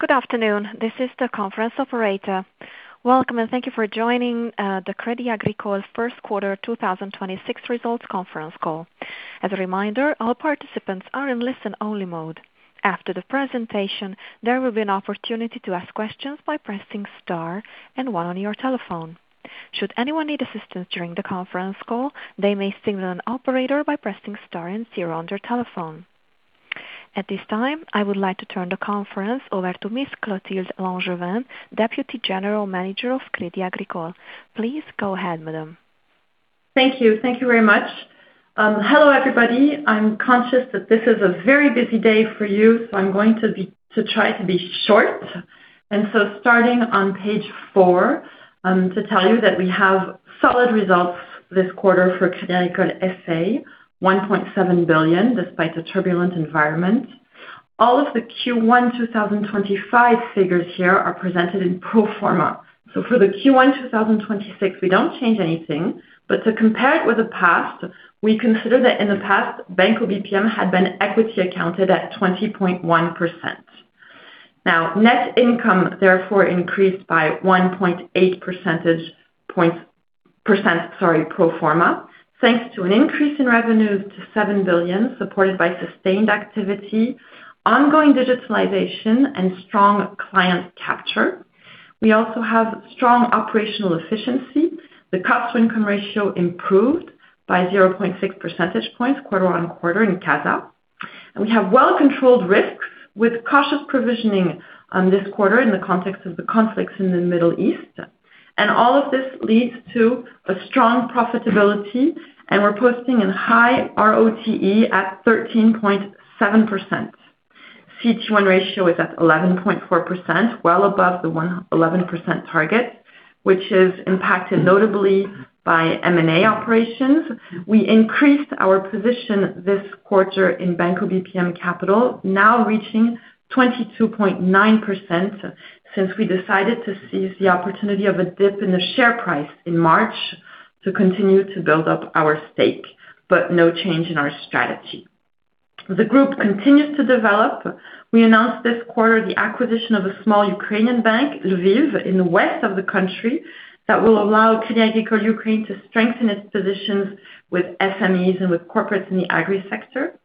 Good afternoon. This is the conference operator. Welcome, and thank you for joining the Crédit Agricole's first quarter 2026 results conference call. As a reminder, all participants are in listen-only mode. After the presentation, there will be an opportunity to ask questions by pressing star and one on your telephone. Should anyone need assistance during the conference call, they may signal an operator by pressing star and zero on their telephone. At this time, I would like to turn the conference over to Miss Clotilde L'Angevin, Deputy General Manager of Crédit Agricole. Please go ahead, madam. Thank you. Thank you very much. Hello, everybody. I'm conscious that this is a very busy day for you, I'm going to try to be short. Starting on page four, to tell you that we have solid results this quarter for Crédit Agricole S.A., 1.7 billion, despite a turbulent environment. All of the Q1 2025 figures here are presented in pro forma. For the Q1 2026, we don't change anything, but to compare it with the past, we consider that in the past, Banco BPM had been equity accounted at 20.1%. Now, net income therefore increased by 1.8 percentage points, sorry, pro forma, thanks to an increase in revenues to 7 billion, supported by sustained activity, ongoing digitalization, and strong client capture. We also have strong operational efficiency. The cost-to-income ratio improved by 0.6 percentage points quarter-on-quarter in CASA. We have well-controlled risks with cautious provisioning this quarter in the context of the conflicts in the Middle East. All of this leads to a strong profitability, and we're posting a high ROTE at 13.7%. CET1 ratio is at 11.4%, well above the 11% target, which is impacted notably by M&A operations. We increased our position this quarter in Banco BPM capital, now reaching 22.9%, since we decided to seize the opportunity of a dip in the share price in March to continue to build up our stake, but no change in our strategy. The group continues to develop. We announced this quarter the acquisition of a small Ukrainian bank, Lviv, in the west of the country, that will allow Crédit Agricole Bank to strengthen its positions with SMEs and with corporates in the agri sector.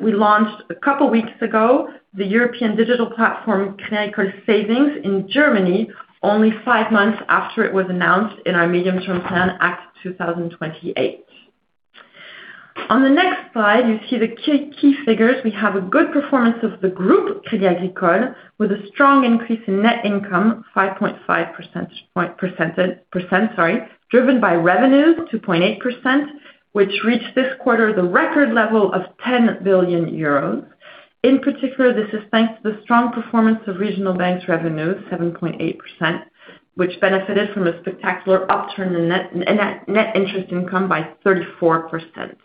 We launched a couple weeks ago the European digital platform, Crédit Agricole Savings, in Germany, only 5 months after it was announced in our medium-term plan ACT 2028. On the next slide, you see the key figures. We have a good performance of the group, Crédit Agricole, with a strong increase in net income, 5.5%, sorry, driven by revenues, 2.8%, which reached this quarter the record level of 10 billion euros. In particular, this is thanks to the strong performance of regional banks' revenues, 7.8%, which benefited from a spectacular upturn in net interest income by 34%.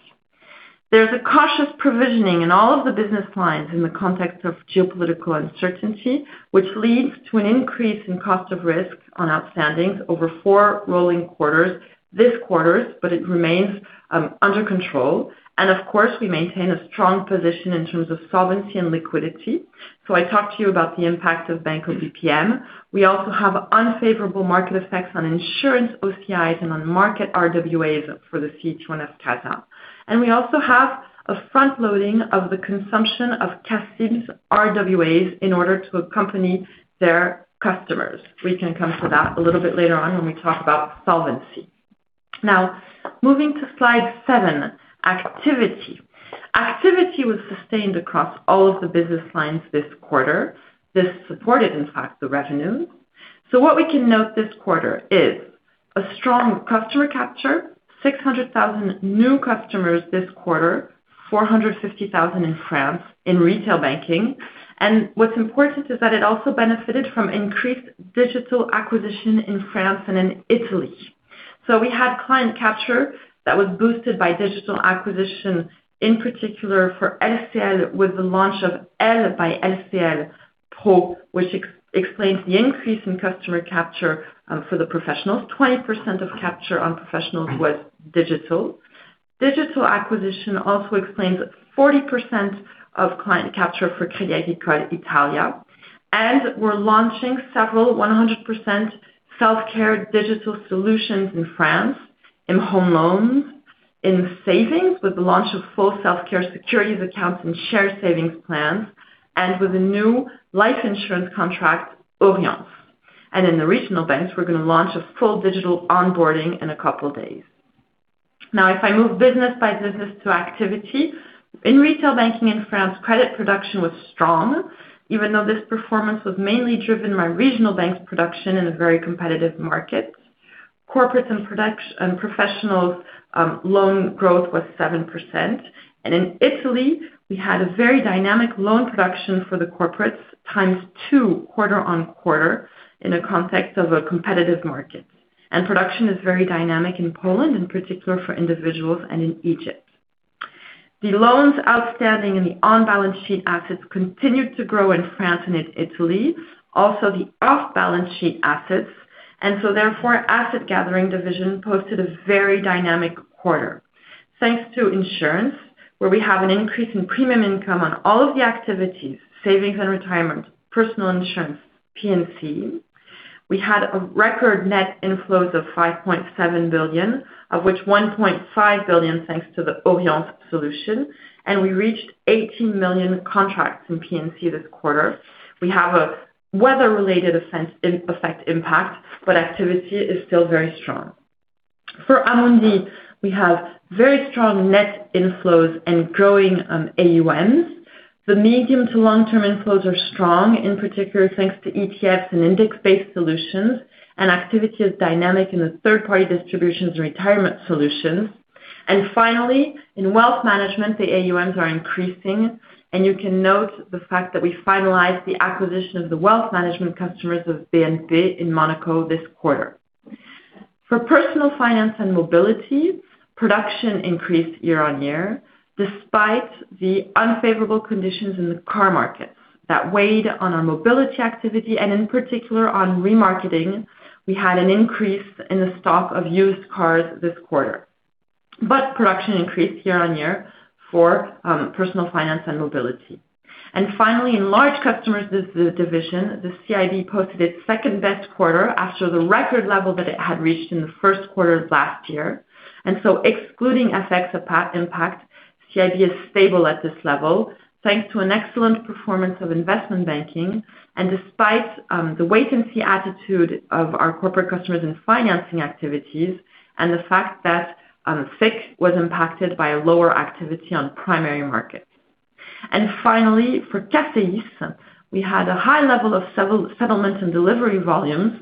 There's a cautious provisioning in all of the business lines in the context of geopolitical uncertainty, which leads to an increase in cost of risk on outstandings over four rolling quarters this quarter, but it remains under control. Of course, we maintain a strong position in terms of solvency and liquidity. I talked to you about the impact of Banco BPM. We also have unfavorable market effects on insurance OCIs and on market RWAs for the CET1 of CASA. We also have a front-loading of the consumption of CACEIS' RWAs in order to accompany their customers. We can come to that a little bit later on when we talk about solvency. Now, moving to slide seven, activity. Activity was sustained across all of the business lines this quarter. This supported, in fact, the revenue. What we can note this quarter is a strong customer capture, 600,000 new customers this quarter, 450,000 in France in retail banking. What's important is that it also benefited from increased digital acquisition in France and in Italy. We had client capture that was boosted by digital acquisition, in particular for LCL with the launch of L by LCL Pro, which explains the increase in customer capture for the professionals. 20% of capture on professionals was digital. Digital acquisition also explains 40% of client capture for Crédit Agricole Italia. We're launching several 100% self-care digital solutions in France, in home loans, in savings, with the launch of full self-care securities accounts and share savings plans, and with a new life insurance contract, Orience. In the regional banks, we're gonna launch a full digital onboarding in a couple days. If I move business by business to activity, in retail banking in France, credit production was strong, even though this performance was mainly driven by regional banks' production in a very competitive market. Corporate and professionals', loan growth was 7%. In Italy, we had a very dynamic loan production for the corporates, 2x quarter-on-quarter, in a context of a competitive market. Production is very dynamic in Poland, in particular for individuals and in Egypt. The loans outstanding and the on-balance sheet assets continued to grow in France and Italy. Also, the off-balance sheet assets. Therefore, asset gathering division posted a very dynamic quarter. Thanks to insurance, where we have an increase in premium income on all of the activities, savings and retirement, personal insurance, P&C. We had a record net inflows of 5.7 billion, of which 1.5 billion, thanks to the Oriance solution, and we reached 18 million contracts in P&C this quarter. We have a weather-related effect, impact, but activity is still very strong. For Amundi, we have very strong net inflows and growing AUMs. The medium to long-term inflows are strong, in particular, thanks to ETFs and index-based solutions, and activity is dynamic in the third-party distributions retirement solutions. Finally, in wealth management, the AUMs are increasing, and you can note the fact that we finalized the acquisition of the wealth management customers of BNP in Monaco this quarter. For personal finance and mobility, production increased year-on-year despite the unfavorable conditions in the car markets that weighed on our mobility activity, and in particular on remarketing. We had an increase in the stock of used cars this quarter, production increased year-on-year for personal finance and mobility. Finally, in large customers division, the CIB posted its second-best quarter after the record level that it had reached in the first quarter of last year. Excluding effects of past impact, CIB is stable at this level, thanks to an excellent performance of investment banking and despite the wait-and-see attitude of our corporate customers in financing activities and the fact that FICC was impacted by lower activity on primary markets. Finally, for CACEIS, we had a high level of settlement and delivery volumes.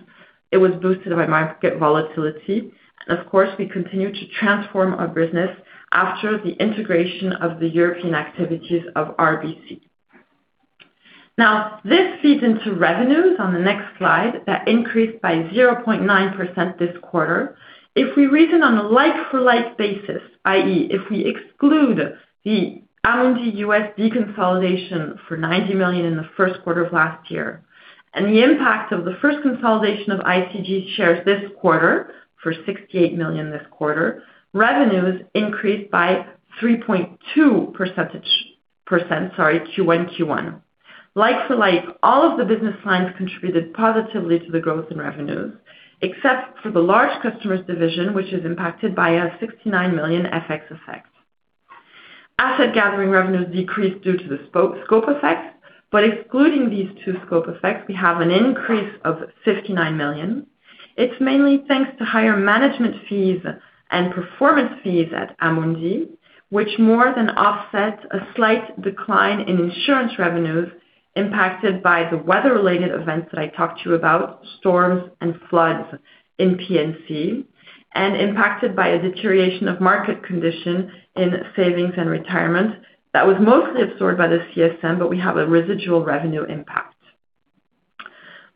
It was boosted by market volatility, and of course, we continue to transform our business after the integration of the European activities of RBC. This feeds into revenues on the next slide that increased by 0.9% this quarter. If we reason on a like-for-like basis, i.e., if we exclude the Amundi US deconsolidation for 90 million in the first quarter of last year and the impact of the first consolidation of ICG shares this quarter for 68 million this quarter, revenues increased by 3.2%, sorry, Q1 to Q1. Like-for-like, all of the business lines contributed positively to the growth in revenues, except for the large customers division, which is impacted by a 69 million FX effect. Asset gathering revenues decreased due to the scope effects, but excluding these two scope effects, we have an increase of 59 million. It's mainly thanks to higher management fees and performance fees at Amundi, which more than offset a slight decline in insurance revenues impacted by the weather-related events that I talked to you about, storms and floods in P&C, and impacted by a deterioration of market condition in savings and retirement that was mostly absorbed by the CSM. We have a residual revenue impact.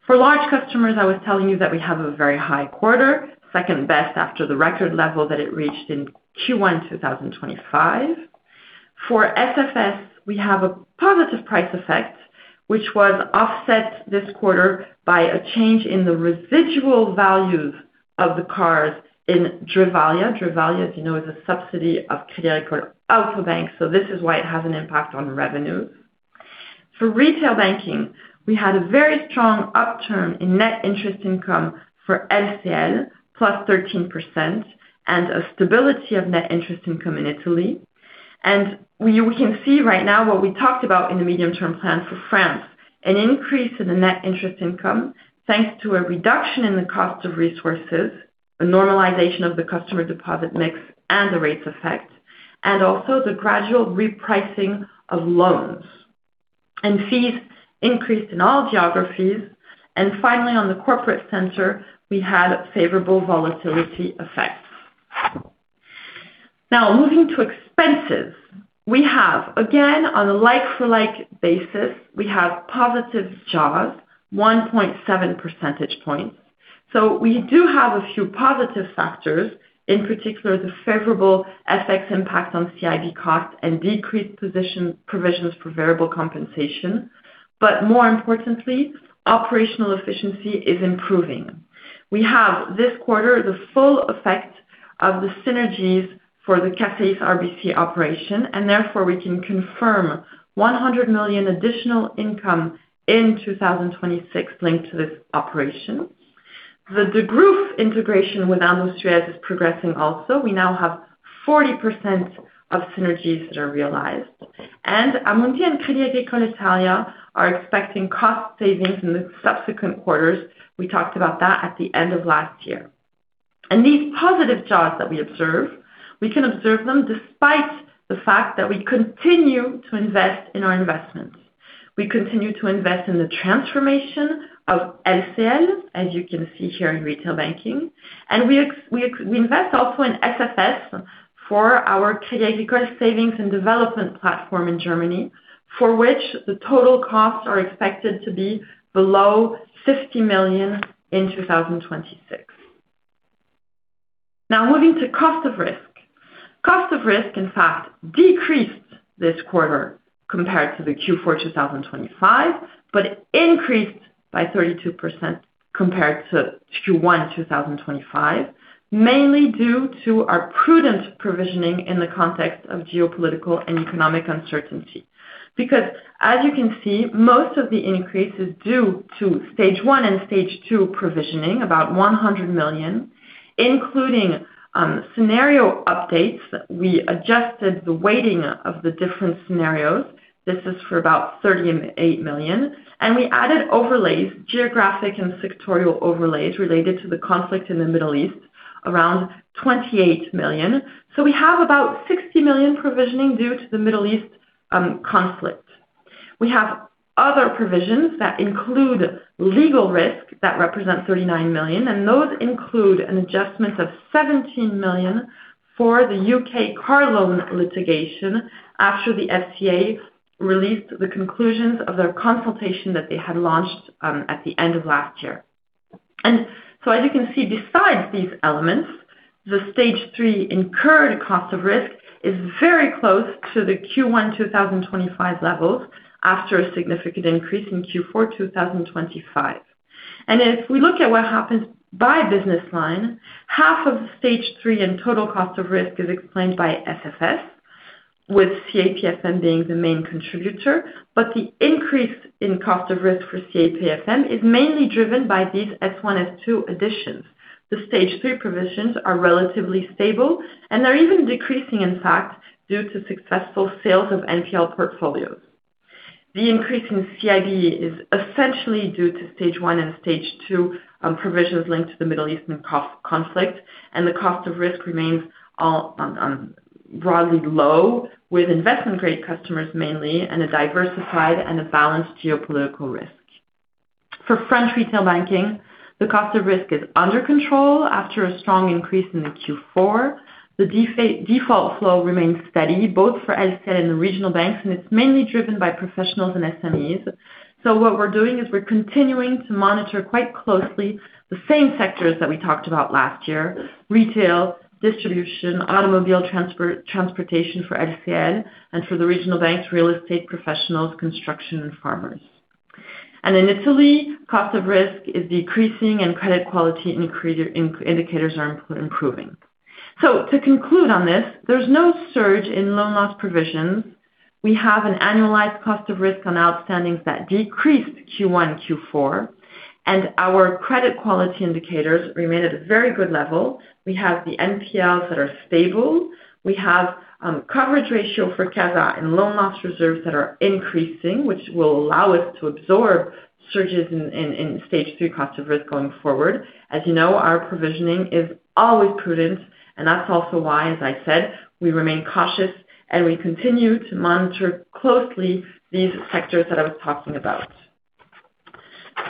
For large customers, I was telling you that we have a very high quarter, second best after the record level that it reached in Q1 2025. For SFS, we have a positive price effect, which was offset this quarter by a change in the residual values of the cars in Drivalia. Drivalia, as you know, is a subsidiary of Crédit Agricole Auto Bank. This is why it has an impact on revenue. For retail banking, we had a very strong upturn in net interest income for LCL, +13%, and a stability of net interest income in Italy. We can see right now what we talked about in the medium-term plan for France, an increase in the net interest income, thanks to a reduction in the cost of resources, a normalization of the customer deposit mix and the rates effect, and also the gradual repricing of loans. Fees increased in all geographies. Finally, on the corporate center, we had favorable volatility effects. Moving to expenses, again, on a like-for-like basis, we have positive jaws, 1.7 percentage points. We do have a few positive factors, in particular, the favorable FX impact on CIB costs and decreased provisions for variable compensation. More importantly, operational efficiency is improving. We have, this quarter, the full effect of the synergies for the CACEIS RBC operation, and therefore we can confirm 100 million additional income in 2026 linked to this operation. The Degroof integration with Amundi is progressing also. We now have 40% of synergies that are realized. Amundi and Crédit Agricole Italia are expecting cost savings in the subsequent quarters. We talked about that at the end of last year. These positive jaws that we observe, we can observe them despite the fact that we continue to invest in our investments. We continue to invest in the transformation of LCL, as you can see here in retail banking. We invest also in SFS for our Crédit Agricole Savings and development platform in Germany, for which the total costs are expected to be below 50 million in 2026. Moving to cost of risk. Cost of risk, in fact, decreased this quarter compared to the Q4 2025, but increased by 32% compared to Q1 2025, mainly due to our prudent provisioning in the context of geopolitical and economic uncertainty. As you can see, most of the increase is due to Stage 1 and Stage 2 provisioning, about 100 million, including scenario updates. We adjusted the weighting of the different scenarios. This is for about 38 million. We added overlays, geographic and sectorial overlays related to the conflict in the Middle East, around 28 million. We have about 60 million provisioning due to the Middle East conflict. We have other provisions that include legal risk that represent 39 million, and those include an adjustment of 17 million for the U.K. car loan litigation after the FCA released the conclusions of their consultation that they had launched at the end of last year. As you can see, besides these elements, the Stage 3 incurred cost of risk is very close to the Q1 2025 levels after a significant increase in Q4 2025. If we look at what happens by business line, half of Stage 3 and total cost of risk is explained by FFS, with CAPFM being the main contributor. The increase in cost of risk for CAPFM is mainly driven by these S1, S2 additions. The Stage 3 provisions are relatively stable, and they're even decreasing, in fact, due to successful sales of NPL portfolios. The increase in CIB is essentially due to Stage 1 and Stage 2 provisions linked to the Middle Eastern conflict, and the cost of risk remains broadly low with investment-grade customers mainly, and a diversified and a balanced geopolitical risk. For French retail banking, the cost of risk is under control after a strong increase in the Q4. The default flow remains steady, both for LCL and the regional banks, and it's mainly driven by professionals and SMEs. What we're doing is we're continuing to monitor quite closely the same sectors that we talked about last year: retail, distribution, automobile transportation for LCL, and for the regional banks, real estate professionals, construction and farmers. In Italy, cost of risk is decreasing and credit quality indicators are improving. To conclude on this, there's no surge in loan loss provisions. We have an annualized cost of risk on outstandings that decreased Q1, Q4, and our credit quality indicators remain at a very good level. We have the NPLs that are stable. We have coverage ratio for CASA and loan loss reserves that are increasing, which will allow us to absorb surges in Stage 3 cost of risk going forward. As you know, our provisioning is always prudent, and that's also why, as I said, we remain cautious, and we continue to monitor closely these sectors that I was talking about.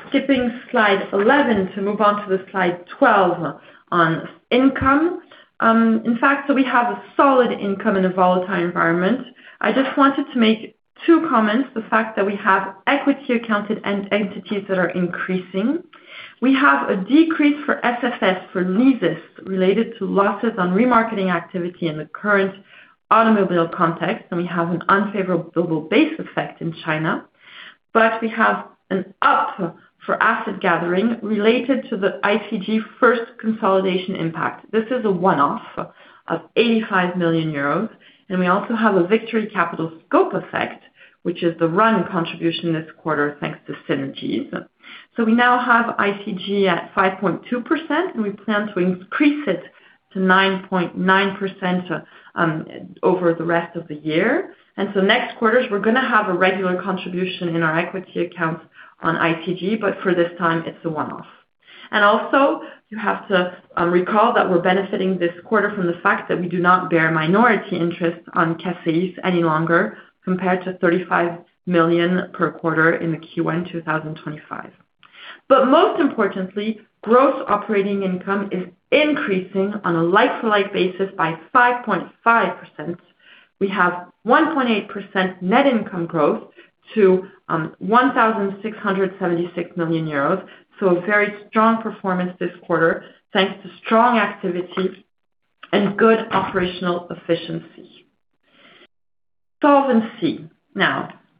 Skipping slide 11 to move on to the slide 12 on income. In fact, we have a solid income in a volatile environment. I just wanted to make two comments. The fact that we have equity accounted entities that are increasing. We have a decrease for SFS for leases related to losses on remarketing activity in the current automobile context. We have an unfavorable base effect in China. We have an up for asset gathering related to the ICG first consolidation impact. This is a one-off of 85 million euros. We also have a Victory Capital scope effect, which is the run contribution this quarter, thanks to synergies. We now have ICG at 5.2% over the rest of the year. Next quarters, we're gonna have a regular contribution in our equity accounts on ICG. For this time, it's a one-off. You have to recall that we're benefiting this quarter from the fact that we do not bear minority interest on CACEIS any longer, compared to 35 million per quarter in the Q1 2025. Gross operating income is increasing on a like-to-like basis by 5.5%. We have 1.8% net income growth to 1,676 million euros. A very strong performance this quarter, thanks to strong activity and good operational efficiency. Solvency.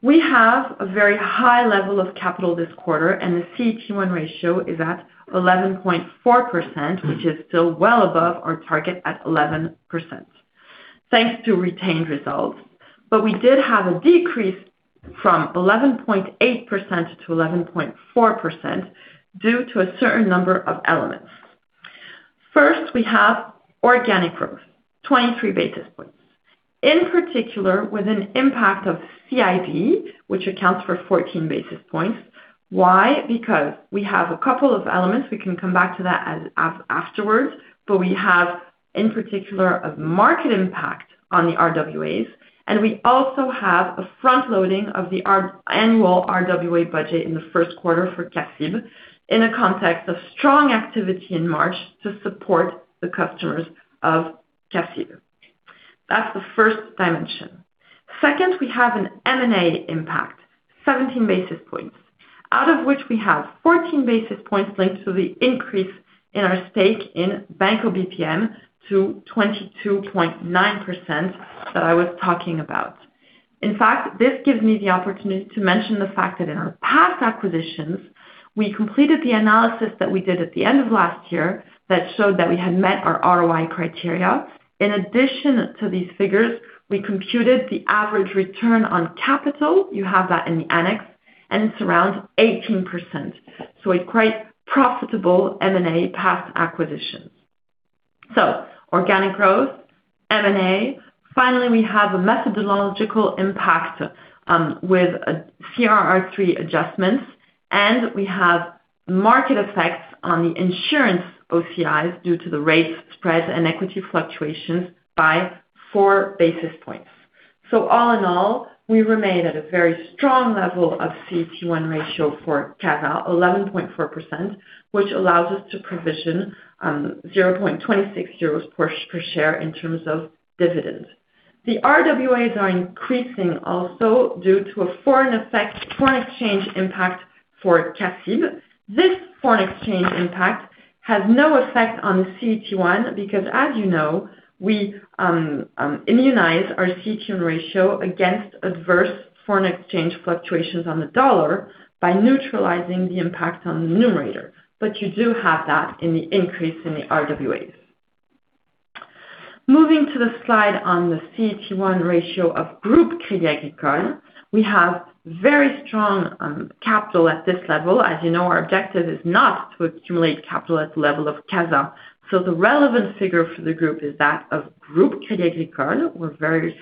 We have a very high level of capital this quarter, and the CET1 ratio is at 11.4%, which is still well above our target at 11%, thanks to retained results. We did have a decrease from 11.8% to 11.4% due to a certain number of elements. First, we have organic growth, 23 basis points. In particular, with an impact of CIB, which accounts for 14 basis points. Why? We have a couple of elements. We can come back to that as afterwards. We have, in particular, a market impact on the RWAs, and we also have a frontloading of the annual RWA budget in the first quarter for CACEIS in a context of strong activity in March to support the customers of CACEIS. That's the first dimension. Second, we have an M&A impact, 17 basis points, out of which we have 14 basis points linked to the increase in our stake in Banco BPM to 22.9% that I was talking about. In fact, this gives me the opportunity to mention the fact that in our past acquisitions, we completed the analysis that we did at the end of last year that showed that we had met our ROI criteria. In addition to these figures, we computed the average return on capital. You have that in the annex, and it's around 18%. A quite profitable M&A past acquisitions. Organic growth, M&A. Finally, we have a methodological impact with CRR III adjustments, and we have market effects on the insurance OCIs due to the rate spread and equity fluctuations by 4 basis points. All in all, we remain at a very strong level of CET1 ratio for CASA, 11.4%, which allows us to provision 0.26 euros per share in terms of dividends. The RWAs are increasing also due to a foreign exchange impact for CACIB. This foreign exchange impact has no effect on the CET1 because, as you know, we immunize our CET1 ratio against adverse foreign exchange fluctuations on the dollar by neutralizing the impact on the numerator. You do have that in the increase in the RWAs. Moving to the slide on the CET1 ratio of Crédit Agricole Group, we have very strong capital at this level. As you know, our objective is not to accumulate capital at the level of CASA. The relevant figure for the group is that of Group Crédit Agricole. We're very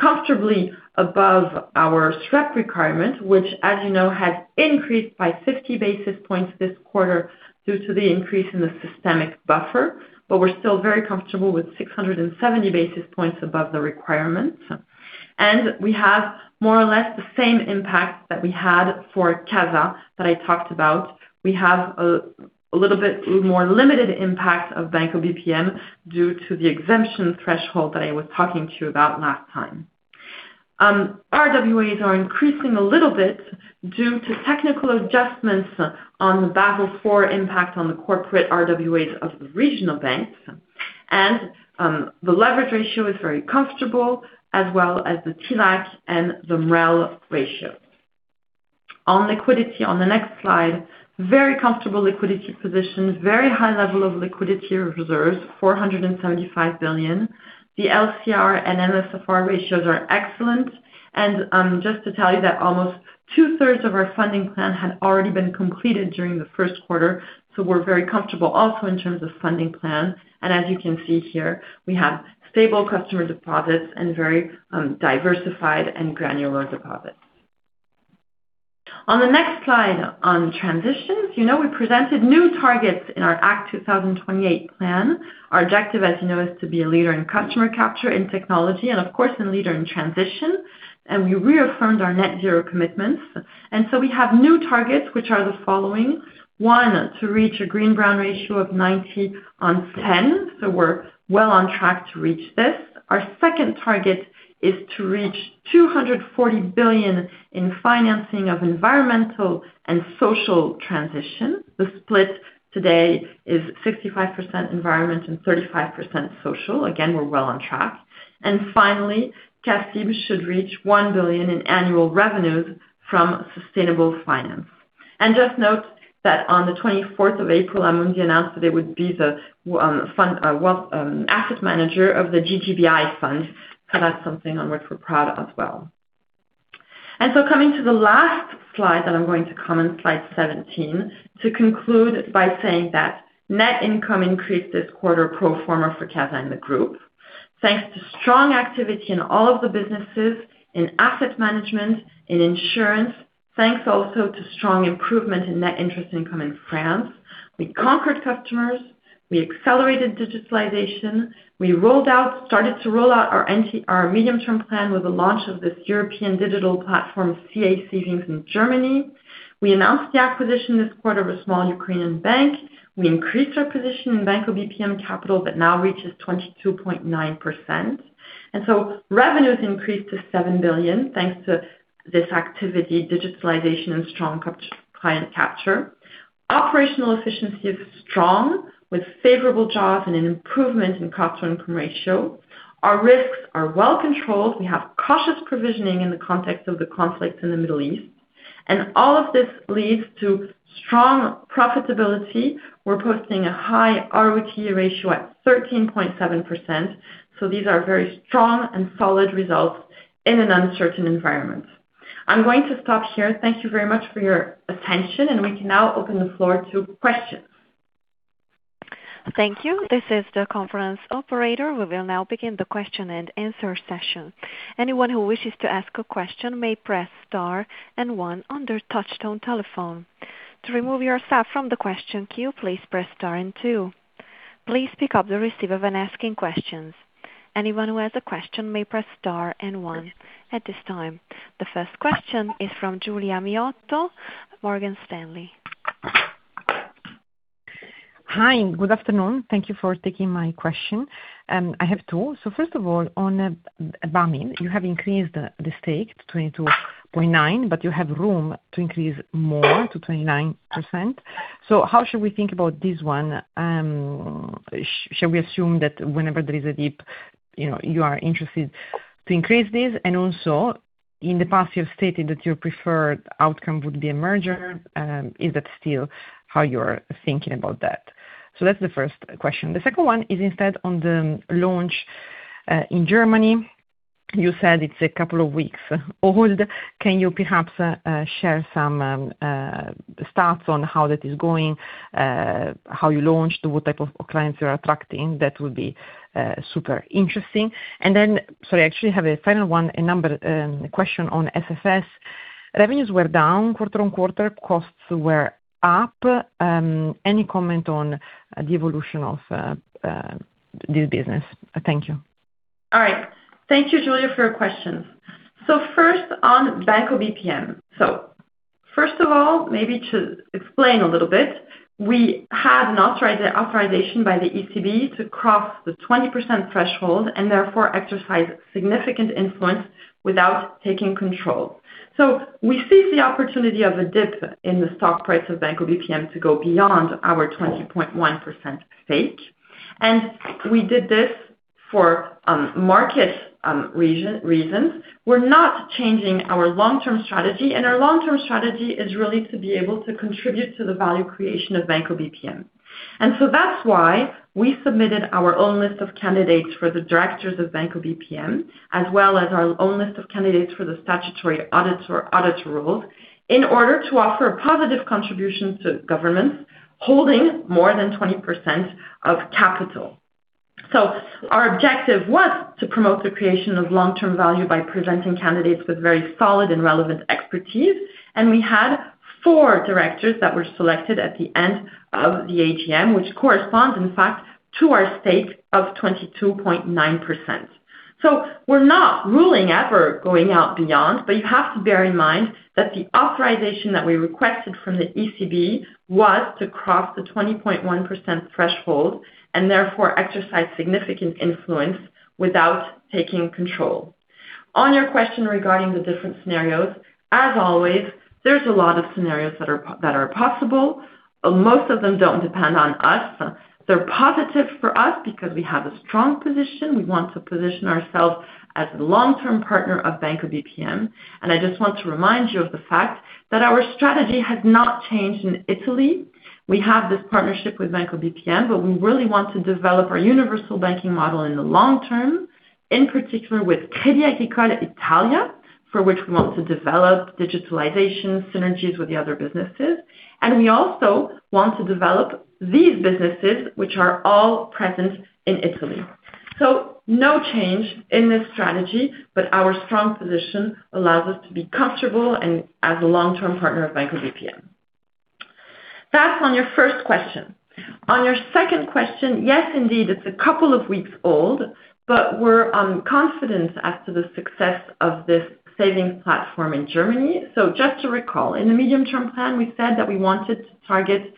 comfortably above our SREP requirement, which as you know, has increased by 50 basis points this quarter due to the increase in the systemic buffer. We're still very comfortable with 670 basis points above the requirement. We have more or less the same impact that we had for CASA that I talked about. We have a little bit more limited impact of Banco BPM due to the exemption threshold that I was talking to you about last time. RWAs are increasing a little bit due to technical adjustments on the Basel IV impact on the corporate RWAs of the regional banks. The leverage ratio is very comfortable as well as the TLAC and the MREL ratio. On liquidity, on the next slide, very comfortable liquidity positions, very high level of liquidity reserves, 475 billion. The LCR and NSFR ratios are excellent. Just to tell you that almost two-thirds of our funding plan had already been completed during the first quarter, we're very comfortable also in terms of funding plan. As you can see here, we have stable customer deposits and very diversified and granular deposits. On the next slide on transitions, you know, we presented new targets in our ACT 2028 plan. Our objective, as you know, is to be a leader in customer capture in technology and of course, a leader in transition. We reaffirmed our net zero commitments. We have new targets which are the following. One, to reach a green brown ratio of 90/10. We're well on track to reach this. Our second target is to reach 240 billion in financing of environmental and social transition. The split today is 65% environment and 35% social. Again, we're well on track. Finally, CACIB should reach 1 billion in annual revenues from sustainable finance. Just note that on the 24th of April, Amundi announced that it would be the well, asset manager of the GGBI Fund. That's something on which we're proud as well. Coming to the last slide that I'm going to comment, slide 17, to conclude by saying that net income increased this quarter pro forma for CA Auto Bank and the group, thanks to strong activity in all of the businesses, in asset management, in insurance, thanks also to strong improvement in net interest income in France. We conquered customers, we accelerated digitalization, we started to roll out our medium-term plan with the launch of this European digital platform, CAC Savings, in Germany. We announced the acquisition this quarter of a small Ukrainian bank. We increased our position in Banco BPM capital that now reaches 22.9%. Revenues increased to 7 billion, thanks to this activity, digitalization, and strong cap-client capture. Operational efficiency is strong, with favorable jaws and an improvement in cost income ratio. Our risks are well controlled. We have cautious provisioning in the context of the conflict in the Middle East. All of this leads to strong profitability. We're posting a high ROTE ratio at 13.7%. These are very strong and solid results in an uncertain environment. I'm going to stop here. Thank you very much for your attention. We can now open the floor to questions. Thank you. This is the conference operator. We will now begin the question-and-answer session. Anyone who wishes to ask a question may press star and one on their touchtone telephone. To remove yourself from the question queue, please press star and two. Please pick up the receiver when asking questions. Anyone who has a question may press star and one. At this time, the first question is from Giulia Miotto, Morgan Stanley. Hi, good afternoon. Thank you for taking my question. I have two. First of all, on Banco BPM, you have increased the stake to 22.9%, but you have room to increase more to 29%. How should we think about this one? Shall we assume that whenever there is a dip, you know, you are interested to increase this? Also, in the past, you've stated that your preferred outcome would be a merger. Is that still how you're thinking about that? That's the first question. The second one is instead on the launch in Germany. You said it's a couple of weeks old. Can you perhaps share some stats on how that is going, how you launched, what type of clients you're attracting? That would be super interesting. Sorry, I actually have a final one, a number question on SFS. Revenues were down quarter-on-quarter, costs were up. Any comment on the evolution of this business? Thank you. All right. Thank you, Giulia, for your questions. First on Banco BPM. First of all, maybe to explain a little bit, we have an authorization by the ECB to cross the 20% threshold, and therefore exercise significant influence without taking control. We seize the opportunity of a dip in the stock price of Banco BPM to go beyond our 20.1% stake. We did this for market reasons. We're not changing our long-term strategy, and our long-term strategy is really to be able to contribute to the value creation of Banco BPM. That's why we submitted our own list of candidates for the directors of Banco BPM, as well as our own list of candidates for the statutory auditor audit role, in order to offer a positive contribution to governments holding more than 20% of capital. Our objective was to promote the creation of long-term value by presenting candidates with very solid and relevant expertise. We had four directors that were selected at the end of the AGM, which corresponds, in fact, to our stake of 22.9%. We're not ruling ever going out beyond. You have to bear in mind that the authorization that we requested from the ECB was to cross the 20.1% threshold, and therefore exercise significant influence without taking control. On your question regarding the different scenarios, as always, there's a lot of scenarios that are possible. Most of them don't depend on us. They're positive for us because we have a strong position. We want to position ourselves as a long-term partner of Banco BPM. I just want to remind you of the fact that our strategy has not changed in Italy. We have this partnership with Banco BPM. We really want to develop our universal banking model in the long term, in particular with Crédit Agricole Italia, for which we want to develop digitalization synergies with the other businesses. We also want to develop these businesses, which are all present in Italy. No change in this strategy, but our strong position allows us to be comfortable and as a long-term partner of Banco BPM. That's on your first question. On your second question, yes, indeed, it's a couple of weeks old, but we're confident as to the success of this savings platform in Germany. Just to recall, in the medium-term plan, we said that we wanted to target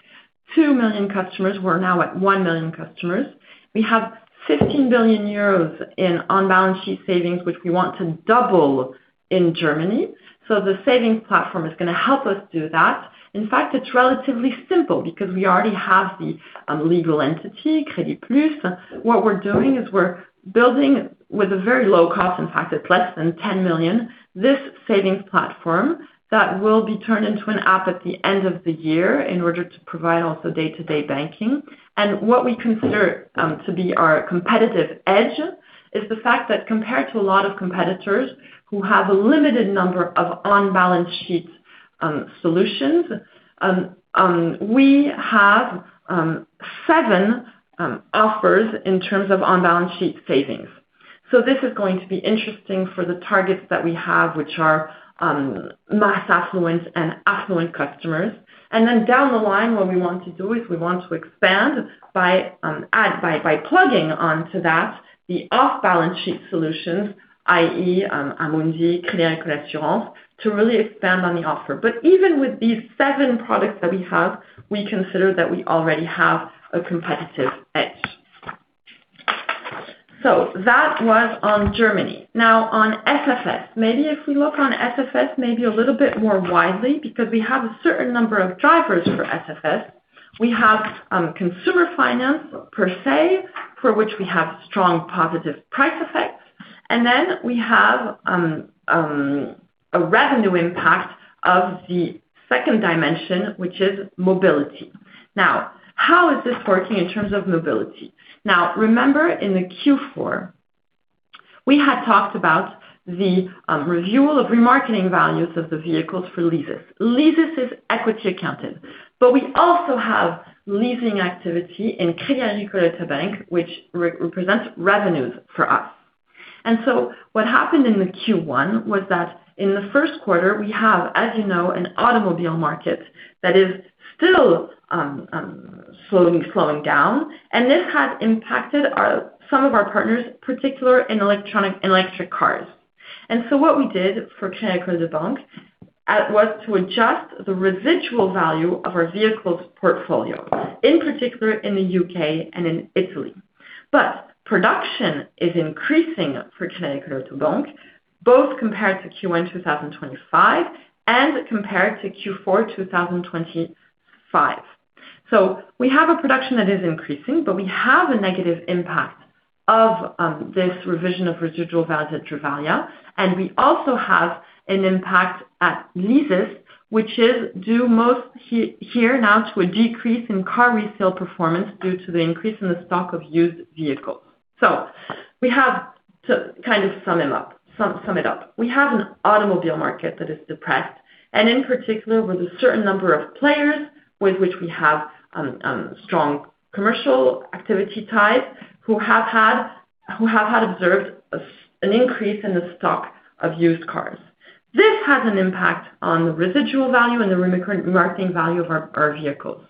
2 million customers. We're now at 1 million customers. We have 15 billion euros in on-balance sheet savings, which we want to double in Germany. The savings platform is going to help us do that. In fact, it's relatively simple because we already have the legal entity, Creditplus. What we're doing is we're building with a very low cost, in fact, it's less than 10 million, this savings platform that will be turned into an app at the end of the year in order to provide also day-to-day banking. What we consider to be our competitive edge is the fact that compared to a lot of competitors who have a limited number of on-balance sheet solutions, we have seven offers in terms of on-balance sheet savings. This is going to be interesting for the targets that we have, which are mass affluent and affluent customers. Down the line, what we want to do is we want to expand by plugging onto that the off-balance sheet solutions, i.e., Amundi, Crédit Agricole Assurances, to really expand on the offer. Even with these seven products that we have, we consider that we already have a competitive edge. That was on Germany. On SFS, maybe if we look on SFS maybe a little bit more widely, because we have a certain number of drivers for SFS. We have consumer finance per se, for which we have strong positive price effects, and then we have a revenue impact of the second dimension, which is mobility. How is this working in terms of mobility? Remember in the Q4, we had talked about the renewal of remarketing values of the vehicles for leases. Leases is equity accounted. We also have leasing activity in Crédit Agricole Bank, which re-represents revenues for us. What happened in the Q1 was that in the first quarter, we have, as you know, an automobile market that is still slowing down, and this has impacted some of our partners, particular in electric cars. What we did for Crédit Agricole Bank was to adjust the residual value of our vehicles portfolio, in particular in the U.K. and in Italy. Production is increasing for Crédit Agricole Bank, both compared to Q1 2025 and compared to Q4 2025. We have a production that is increasing, but we have a negative impact of this revision of residual value at Drivalia, and we also have an impact at leases, which is due most now to a decrease in car resale performance due to the increase in the stock of used vehicles. We have to kind of sum it up. We have an automobile market that is depressed, and in particular with a certain number of players with which we have strong commercial activity ties, who have observed an increase in the stock of used cars. This has an impact on the residual value and the remarketing value of our vehicles.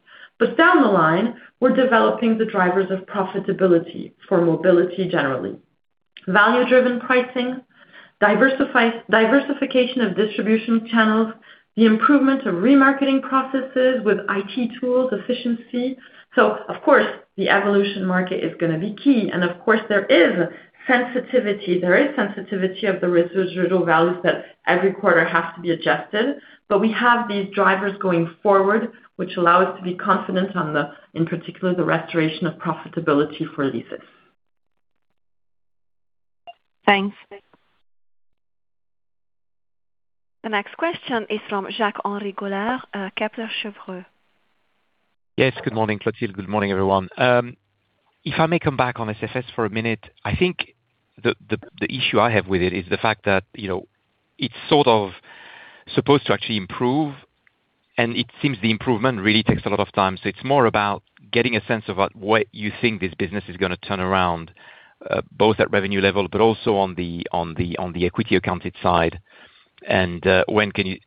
Down the line, we're developing the drivers of profitability for mobility generally. Value-driven pricing, diversification of distribution channels, the improvement of remarketing processes with IT tools efficiency. Of course, the evolution market is gonna be key. Of course, there is sensitivity. There is sensitivity of the residual values that every quarter has to be adjusted. We have these drivers going forward, which allow us to be confident on the, in particular, the restoration of profitability for leases. Thanks. The next question is from Jacques-Henri Gaulard, Kepler Cheuvreux. Yes. Good morning, Clotilde. Good morning, everyone. If I may come back on SFS for a minute. I think the issue I have with it is the fact that, you know, it's sort of supposed to actually improve, it seems the improvement really takes a lot of time. It's more about getting a sense of what you think this business is going to turn around, both at revenue level but also on the equity accounted side. When can you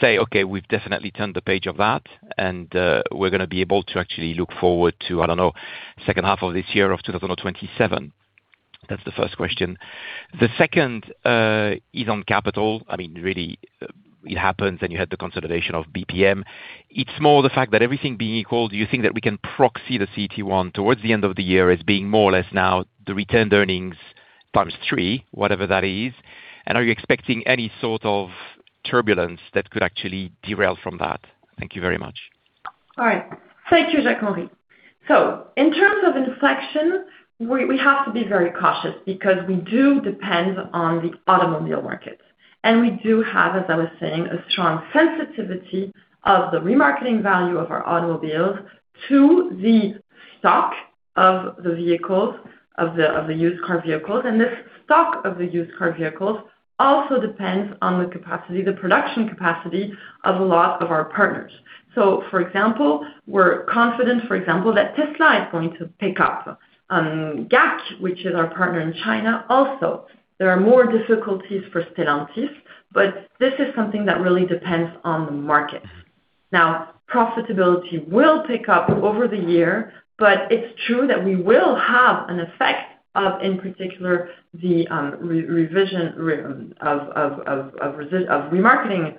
say, Okay, we've definitely turned the page of that, we're going to be able to actually look forward to, I don't know, second half of this year of 2027? That's the first question. The second is on capital. I mean, really, it happens, you had the consolidation of BPM. It's more the fact that everything being equal, do you think that we can proxy the CET1 towards the end of the year as being more or less now the retained earnings times 3, whatever that is? Are you expecting any sort of turbulence that could actually derail from that? Thank you very much. All right. Thank you, Jacques-Henri. In terms of inflection, we have to be very cautious because we do depend on the automobile markets. We do have, as I was saying, a strong sensitivity of the remarketing value of our automobiles to the stock of the vehicles, of the used car vehicles. This stock of the used car vehicles also depends on the capacity, the production capacity of a lot of our partners. For example, we're confident, for example, that Tesla is going to pick up. GAC, which is our partner in China, also. There are more difficulties for Stellantis, but this is something that really depends on the market. Profitability will pick up over the year. It's true that we will have an effect of, in particular, the remarketing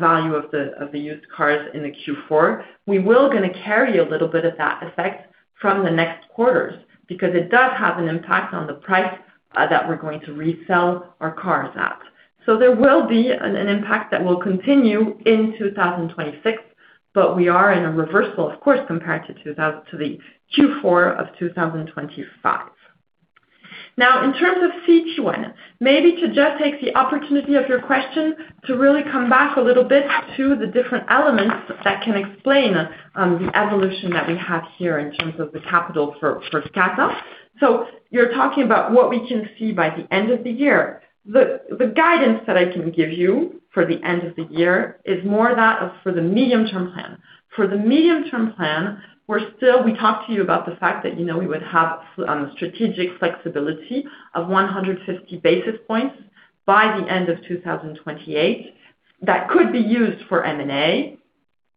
value of the used cars in the Q4. We will gonna carry a little bit of that effect from the next quarters because it does have an impact on the price that we are going to resell our cars at. There will be an impact that will continue in 2026. We are in a reversal, of course, compared to the Q4 of 2025. In terms of CET1, maybe to just take the opportunity of your question to really come back a little bit to the different elements that can explain the evolution that we have here in terms of the capital for CASA. You're talking about what we can see by the end of the year. The guidance that I can give you for the end of the year is more that of for ACT 2028. For ACT 2028, We talked to you about the fact that, you know, we would have strategic flexibility of 150 basis points by the end of 2028 that could be used for M&A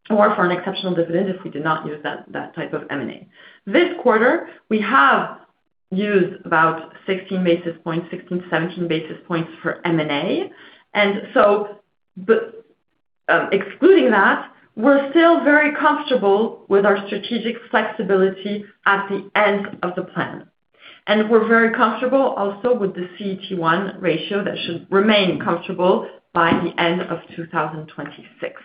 or for an exceptional dividend if we do not use that type of M&A. This quarter, we have used about 16 basis points, 17 basis points for M&A. Excluding that, we're still very comfortable with our strategic flexibility at the end of the plan. We're very comfortable also with the CET1 ratio that should remain comfortable by the end of 2026.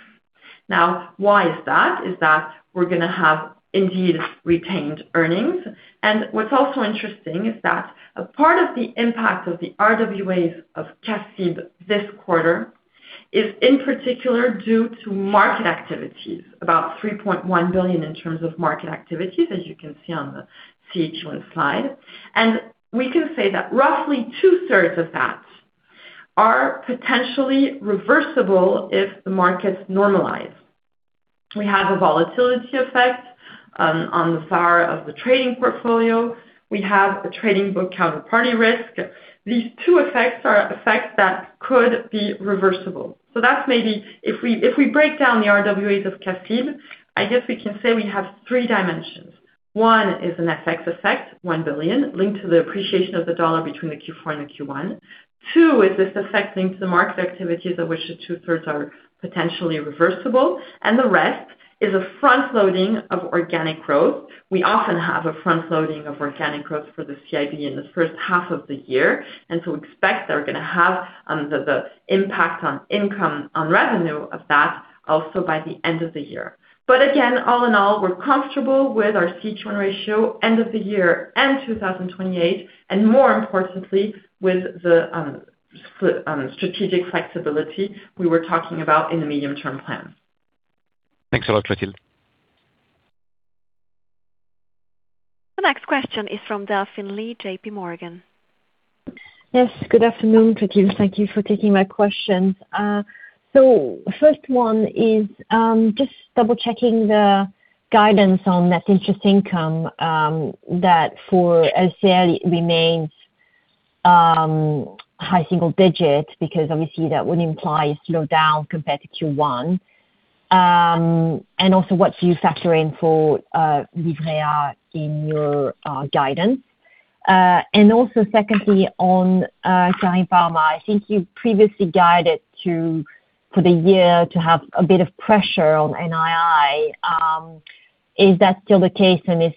Why is that? Is that we're gonna have indeed retained earnings. What's also interesting is that a part of the impact of the RWAs of CACIB this quarter is in particular due to market activities, about 3.1 billion in terms of market activities, as you can see on the CET1 slide. We can say that roughly two-thirds of that are potentially reversible if the markets normalize. We have a volatility effect on the SVaR of the trading portfolio. We have a trading book counterparty risk. These two effects are effects that could be reversible. That's maybe if we, if we break down the RWAs of CACIB, I guess we can say we have three dimensions. One is an FX effect, 1 billion, linked to the appreciation of the dollar between the Q4 and the Q1. Two is this effect linked to the M&A activities of which the two-thirds are potentially reversible, and the rest is a front-loading of organic growth. We often have a front-loading of organic growth for the CIB in the first half of the year, expect they're going to have the impact on revenue of that also by the end of the year. Again, all in all, we're comfortable with our CET1 ratio end of the year and 2028, and more importantly, with the strategic flexibility we were talking about in the medium-term plan. Thanks a lot, Clotilde. The next question is from Delphine Lee, JPMorgan. Yes, good afternoon, Clotilde. Thank you for taking my questions. First one is, just double-checking the guidance on net interest income, that for LCL remains high single digit, because obviously, that would imply a slowdown compared to Q1. What do you factor in for Livret A in your guidance? Secondly, on Cariparma, I think you previously guided for the year to have a bit of pressure on NII. Is that still the case, and is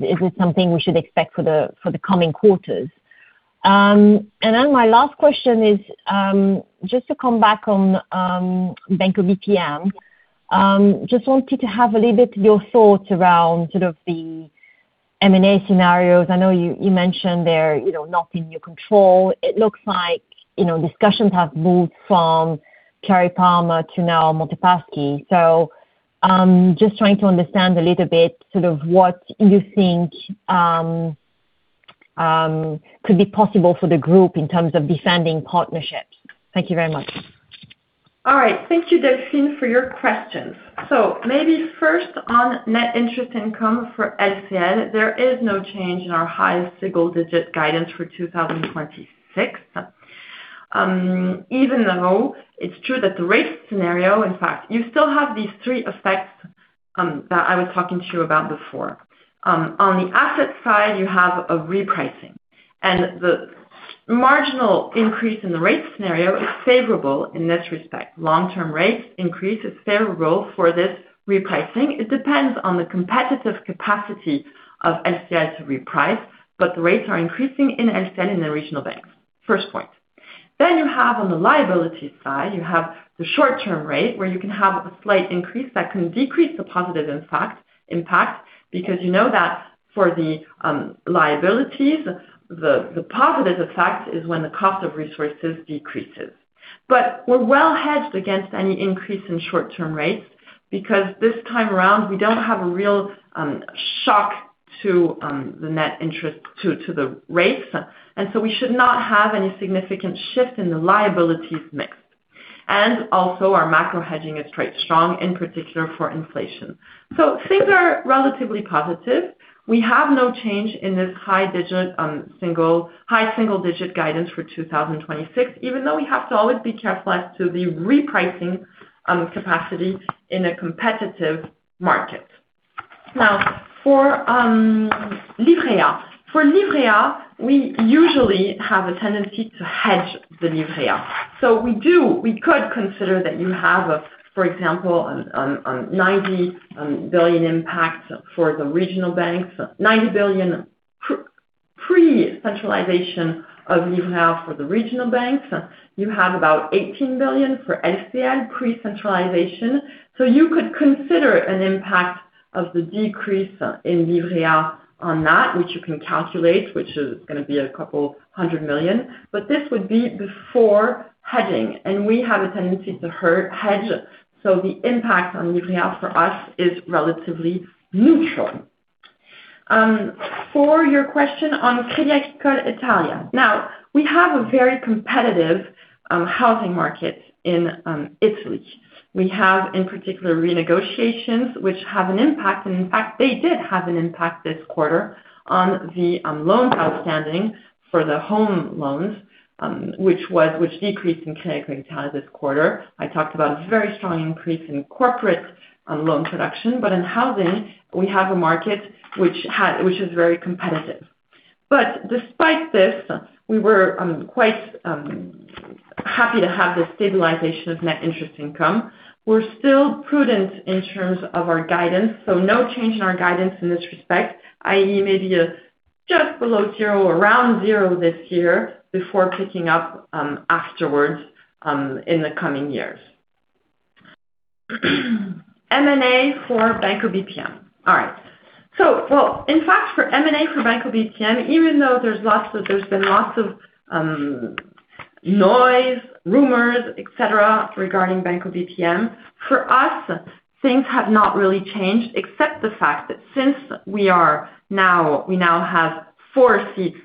it something we should expect for the coming quarters? My last question is, just to come back on Banco BPM. Just wanted to have a little bit your thoughts around sort of the M&A scenarios. I know you mentioned they're, you know, not in your control. It looks like, you know, discussions have moved from Cariparma to now MPS. Just trying to understand a little bit sort of what you think could be possible for the group in terms of defending partnerships. Thank you very much. All right. Thank you, Delphine, for your questions. Maybe first on net interest income for LCL, there is no change in our high single-digit guidance for 2026. Even though it's true that the rate scenario, in fact, you still have these three effects that I was talking to you about before. On the asset side, you have a repricing, and the marginal increase in the rate scenario is favorable in this respect. Long-term rates increase, it's favorable for this repricing. It depends on the competitive capacity of LCL to reprice, but the rates are increasing in LCL in the Regional Banks. First point. You have, on the liability side, you have the short-term rate, where you can have a slight increase that can decrease the positive impact because you know that for the liabilities, the positive effect is when the cost of resources decreases. We're well-hedged against any increase in short-term rates because this time around, we don't have a real shock to the net interest to the rates. We should not have any significant shift in the liabilities mix. Also, our macro hedging is quite strong, in particular for inflation. Things are relatively positive. We have no change in this high single-digit guidance for 2026, even though we have to always be careful as to the repricing capacity in a competitive market. For Livret A. For Livret A, we usually have a tendency to hedge the Livret A. We could consider that you have, for example, 90 billion impact for the regional banks, 90 billion pre-centralization of Livret A for the regional banks. You have about 18 billion for LCL pre-centralization. You could consider an impact of the decrease in Livret A on that, which you can calculate, which is going to be a couple of hundred million. This would be before hedging, and we have a tendency to hedge, the impact on Livret A for us is relatively neutral. For your question on Crédit Agricole Italia. We have a very competitive housing market in Italy. We have, in particular, renegotiations which have an impact, and in fact, they did have an impact this quarter on the loans outstanding for the home loans, which decreased in Crédit Agricole Italia this quarter. I talked about very strong increase in corporate and loan production but in housing, we have a market which is very competitive. Despite this, we were quite happy to have the stabilization of net interest income. We're still prudent in terms of our guidance, so no change in our guidance in this respect, i.e., maybe, just below zero or around zero this year before picking up afterwards in the coming years. M&A for Banco BPM. Well, in fact, for M&A for Banco BPM, even though there's been lots of noise, rumors, et cetera, regarding Banco BPM, for us, things have not really changed, except the fact that since we now have four seats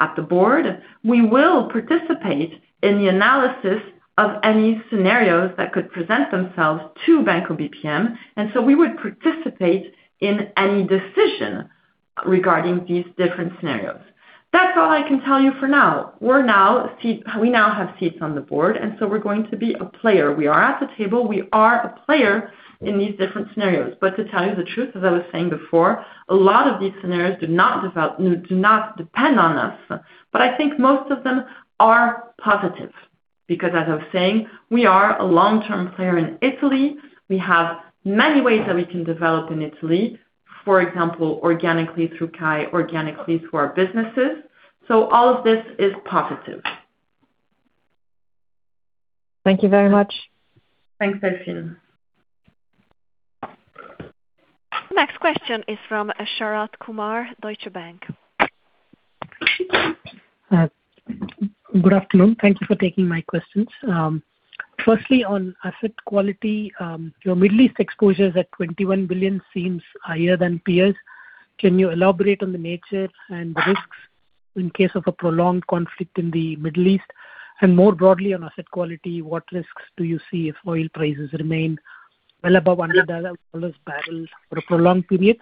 at the board, we will participate in the analysis of any scenarios that could present themselves to Banco BPM. We would participate in any decision regarding these different scenarios. That's all I can tell you for now. We now have seats on the board, and so we're going to be a player. We are at the table, we are a player in these different scenarios. To tell you the truth, as I was saying before, a lot of these scenarios do not depend on us. I think most of them are positive because as I was saying, we are a long-term player in Italy. We have many ways that we can develop in Italy, for example, organically through Crédit Agricole Italia, organically through our businesses. All of this is positive. Thank you very much. Thanks, Delphine Lee. Next question is from Sharath Kumar, Deutsche Bank. Good afternoon. Thank you for taking my questions. Firstly, on asset quality, your Middle East exposure is at 21 billion seems higher than peers. Can you elaborate on the nature and the risks in case of a prolonged conflict in the Middle East? More broadly on asset quality, what risks do you see if oil prices remain well above EUR 100 a barrel for a prolonged period?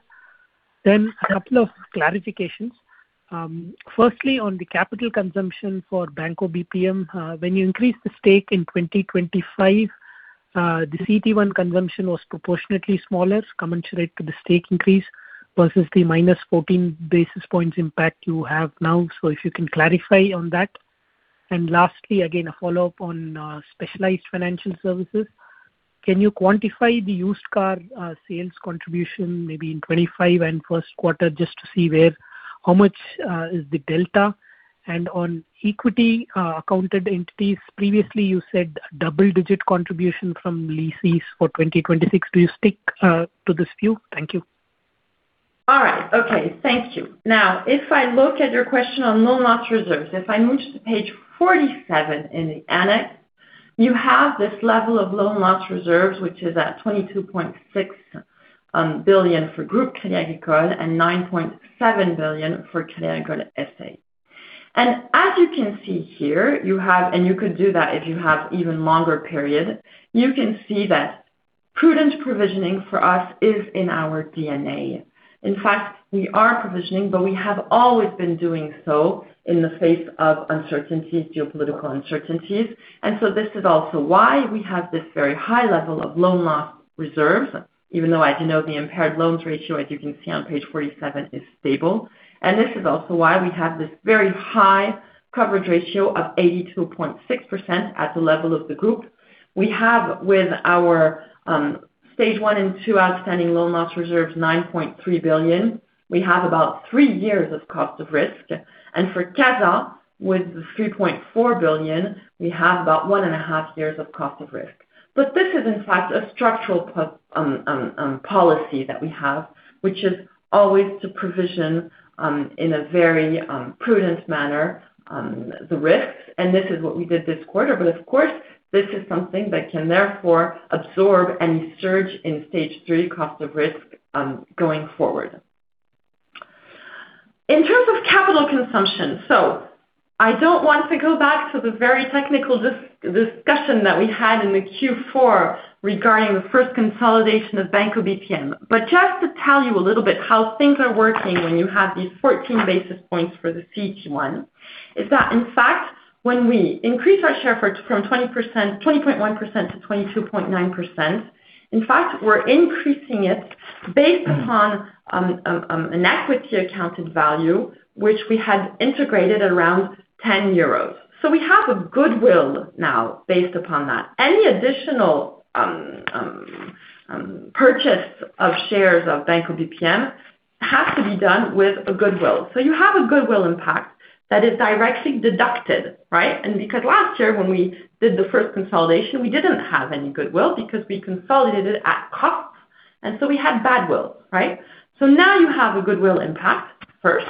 A couple of clarifications. Firstly, on the capital consumption for Banco BPM, when you increase the stake in 2025, the CET1 consumption was proportionately smaller, commensurate to the stake increase versus the -14 basis points impact you have now. If you can clarify on that. Lastly, again, a follow-up on specialized financial services. Can you quantify the used car sales contribution maybe in 2025 and first quarter just to see how much is the delta? On equity accounted entities, previously you said double-digit contribution from leases for 2026. Do you stick to this view? Thank you. All right. Okay. Thank you. If I look at your question on loan loss reserves, if I move to page 47 in the annex, you have this level of loan loss reserves, which is at 22.6 billion for Group Crédit Agricole and 9.7 billion for Crédit Agricole S.A. As you can see here, you could do that if you have even longer period, you can see that prudent provisioning for us is in our DNA. In fact, we are provisioning, but we have always been doing so in the face of uncertainties, geopolitical uncertainties. This is also why we have this very high level of loan loss reserves, even though, as you know, the impaired loans ratio, as you can see on page 47, is stable. This is also why we have this very high coverage ratio of 82.6% at the level of the group. We have with our Stage 1 and 2 outstanding loan loss reserves, 9.3 billion. We have about 3 years of cost of risk. For CASA, with the 3.4 billion, we have about 1.5 years of cost of risk. This is in fact a structural policy that we have, which is always to provision in a very prudent manner the risks. This is what we did this quarter. Of course, this is something that can therefore absorb any surge in Stage 3 cost of risk going forward. In terms of capital consumption, I don't want to go back to the very technical discussion that we had in the Q4 regarding the first consolidation of Banco BPM. Just to tell you a little bit how things are working when you have these 14 basis points for the CET1, is that, in fact, when we increase our share from 20.1% to 22.9%, in fact, we're increasing it based upon an equity accounted value, which we had integrated around 10 euros. We have a goodwill now based upon that. Any additional purchase of shares of Banco BPM has to be done with a goodwill. You have a goodwill impact that is directly deducted, right? Because last year when we did the first consolidation, we didn't have any goodwill because we consolidated at cost, and so we had bad will, right? Now you have a goodwill impact first,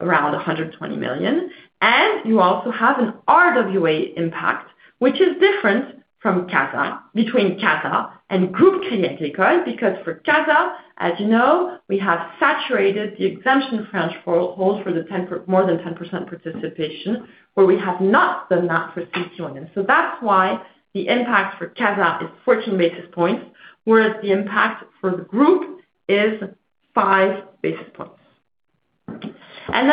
around 120 million, and you also have an RWA impact, which is different from CASA, between CASA and Group Crédit Agricole, because for CASA, as you know, we have saturated the exemption of French fo-holds for the more than 10% participation, where we have not done that for CET1. That's why the impact for CASA is 14 basis points, whereas the impact for the group is 5 basis points.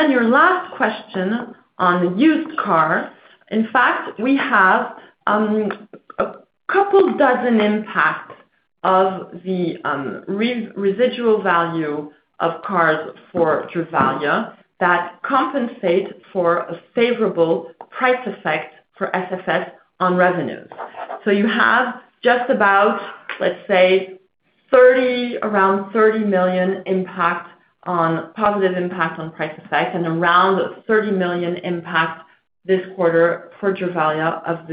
Your last question on used cars. In fact, we have a couple dozen impacts of the residual value of cars for Drivalia that compensate for a favorable price effect for SFS on revenues. You have just about around EUR 30 million positive impact on price effect and around 30 million impact this quarter for Drivalia of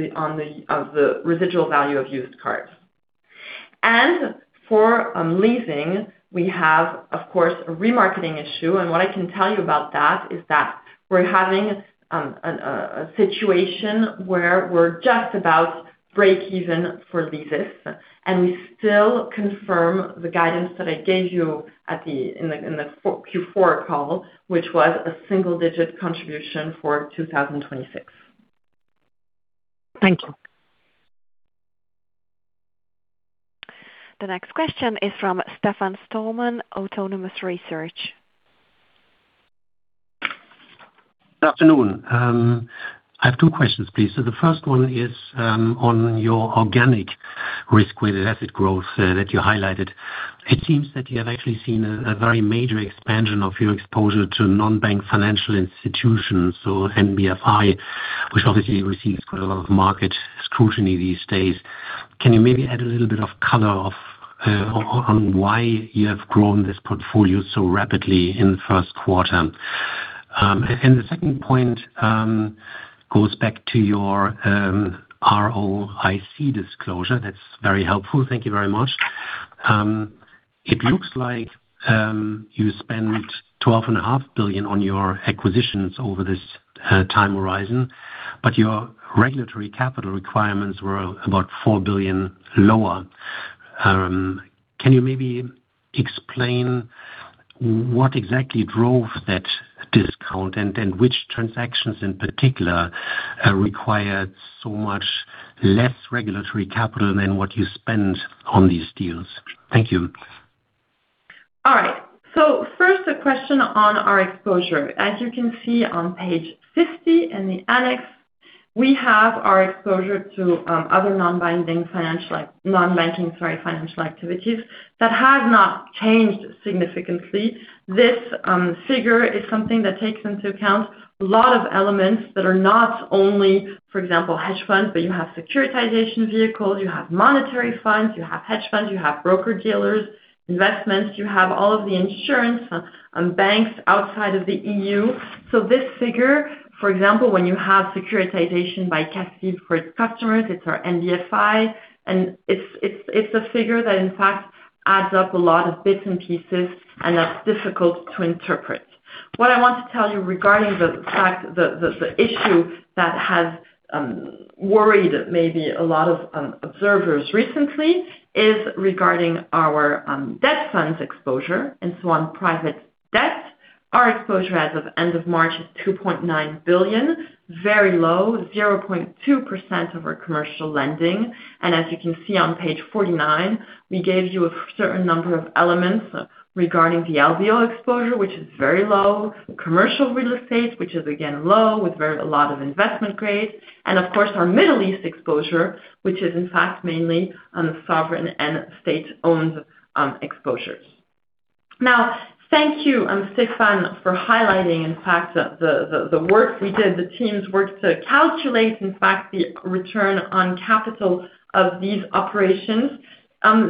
the residual value of used cars. For leasing, we have, of course, a remarketing issue. What I can tell you about that is that we're having a situation where we're just about breakeven for leases, and we still confirm the guidance that I gave you in the Q4 call, which was a single-digit contribution for 2026. Thank you. The next question is from Stefan Stalmann, Autonomous Research. Afternoon. I have two questions, please. The first one is on your organic risk-weighted asset growth that you highlighted. It seems that you have actually seen a very major expansion of your exposure to non-bank financial institutions, so NBFI, which obviously receives quite a lot of market scrutiny these days. Can you maybe add a little bit of color of on why you have grown this portfolio so rapidly in the first quarter? The second point goes back to your ROIC disclosure. That's very helpful. Thank you very much. It looks like you spent twelve and a half billion on your acquisitions over this time horizon, but your regulatory capital requirements were about 4 billion lower. Can you maybe explain what exactly drove that discount, and which transactions in particular, required so much less regulatory capital than what you spent on these deals? Thank you. All right. First, a question on our exposure. As you can see on page 50 in the annex, we have our exposure to other non-banking, sorry, financial activities that have not changed significantly. This figure is something that takes into account a lot of elements that are not only, for example, hedge funds, but you have securitization vehicles, you have monetary funds, you have hedge funds, you have broker-dealers, investments, you have all of the insurance banks outside of the EU. This figure, for example, when you have securitization by CACEIS for its customers, it's our NBFI, and it's a figure that in fact adds up a lot of bits and pieces, and that's difficult to interpret. What I want to tell you regarding the fact. The issue that has worried maybe a lot of observers recently is regarding our debt funds exposure and so on private debt. Our exposure as of end of March is 2.9 billion, very low, 0.2% of our commercial lending. As you can see on page 49, we gave you a certain number of elements regarding the LBO exposure, which is very low, commercial real estate, which is again low with a lot of investment grade, and of course, our Middle East exposure, which is in fact mainly on the sovereign and state-owned exposures. Now, thank you, Stefan Stalmann, for highlighting, in fact, the work we did, the team's work to calculate, in fact, the return on capital of these operations.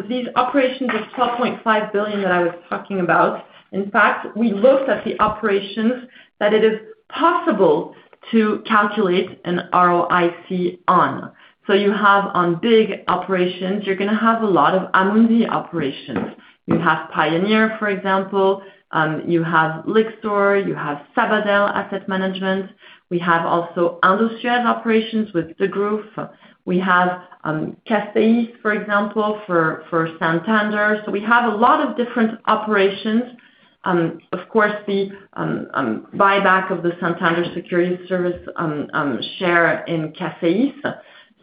These operations of 12.5 billion that I was talking about, in fact, we looked at the operations that it is possible to calculate an ROIC on. You have on big operations, you're gonna have a lot of Amundi operations. You have Pioneer, for example, you have Lyxor, you have Sabadell Asset Management. We have also Indosuez operations with the group. We have CACEIS, for example, for Santander. Of course, the buyback of the Santander Securities Services share in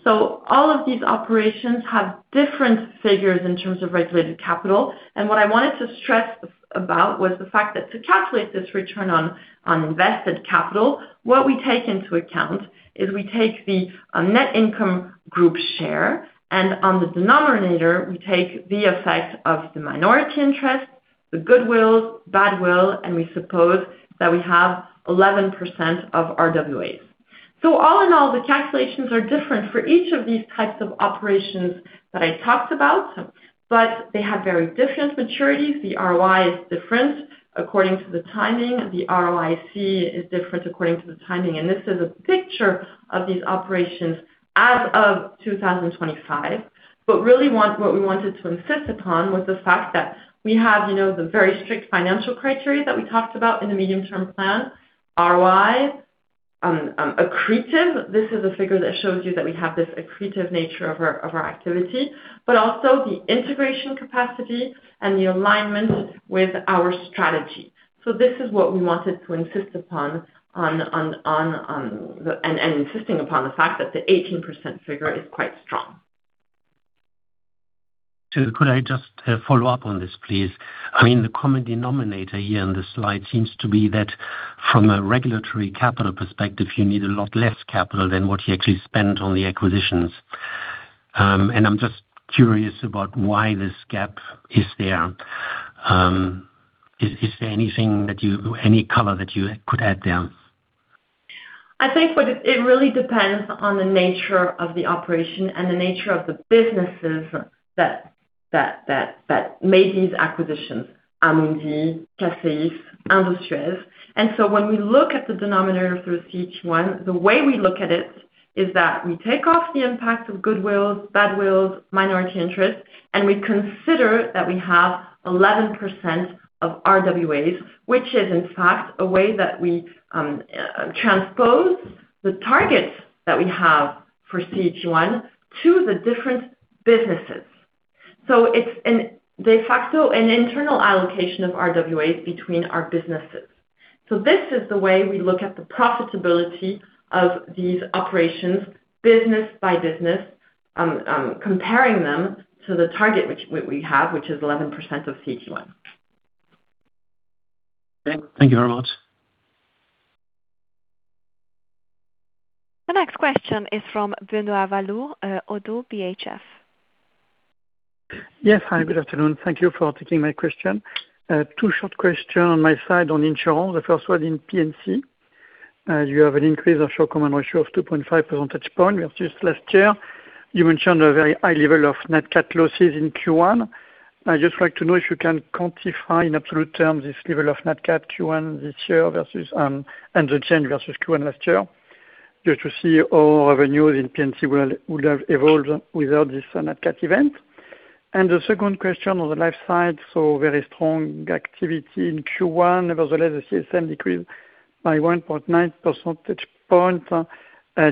CACEIS. All of these operations have different figures in terms of regulated capital. What I wanted to stress about was the fact that to calculate this return on invested capital, what we take into account is we take the net income group share, and on the denominator, we take the effect of the minority interest, the goodwill, and we suppose that we have 11% of RWAs. All in all, the calculations are different for each of these types of operations that I talked about, but they have very different maturities. The ROI is different according to the timing. The ROIC is different according to the timing. This is a picture of these operations as of 2025. What we wanted to insist upon was the fact that we have, you know, the very strict financial criteria that we talked about in the medium-term plan, ROI accretive. This is a figure that shows you that we have this accretive nature of our activity, but also the integration capacity and the alignment with our strategy. This is what we wanted to insist upon and insisting upon the fact that the 18% figure is quite strong. Could I just follow up on this, please? I mean, the common denominator here in the slide seems to be that from a regulatory capital perspective, you need a lot less capital than what you actually spent on the acquisitions. I'm just curious about why this gap is there. Is there any color that you could add there? I think what it really depends on the nature of the operation and the nature of the businesses that made these acquisitions, Amundi, CACEIS, Indosuez. When we look at the denominator through each one, the way we look at it is that we take off the impact of goodwill, minority interest, and we consider that we have 11% of RWAs, which is in fact a way that we transpose the targets that we have for CET1 to the different businesses. It's a de facto internal allocation of RWAs between our businesses. So this is the way we look at the profitability of these operations business by business, comparing them to the target which we have, which is 11% of CET1. Okay. Thank you very much. The next question is from Benoît Valleaux, Oddo BHF. Yes. Hi, good afternoon. Thank you for taking my question. Two short question on my side on insurance. The first one in P&C. You have an increase of your combined ratio of 2.5 percentage point versus last year. You mentioned a very high level of net cat losses in Q1. I just like to know if you can quantify in absolute terms this level of net cat Q1 this year versus, and the change versus Q1 last year just to see all revenues in P&C would have evolved without this net cat event. The second question on the life side, very strong activity in Q1. Nevertheless, the CSM decreased by 1.9 percentage point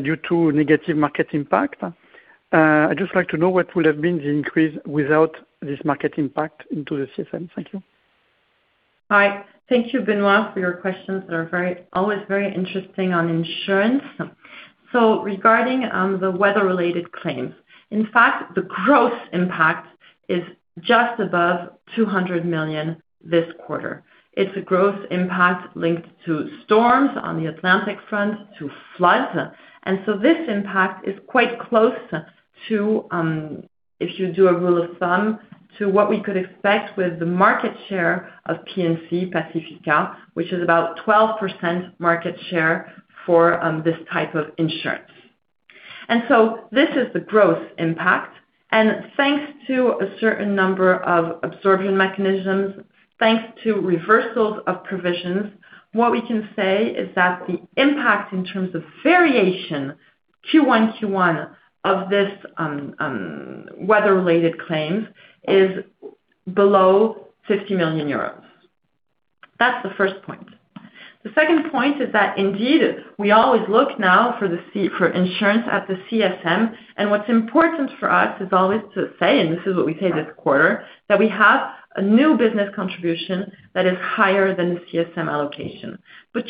due to negative market impact. I'd just like to know what would have been the increase without this market impact into the CSM. Thank you. Hi. Thank you, Benoît, for your questions that are always very interesting on insurance. Regarding the weather-related claims, in fact, the growth impact is just above 200 million this quarter. It's a growth impact linked to storms on the Atlantic front, to floods. This impact is quite close to, if you do a rule of thumb, to what we could expect with the market share of P&C Pacifica, which is about 12% market share for this type of insurance. This is the growth impact. Thanks to a certain number of absorption mechanisms, thanks to reversals of provisions, what we can say is that the impact in terms of variation Q1 to one of this weather-related claims is below 50 million euros. That's the first point. The second point is that indeed, we always look now for insurance at the CSM, and what's important for us is always to say, and this is what we say this quarter, that we have a new business contribution that is higher than the CSM allocation.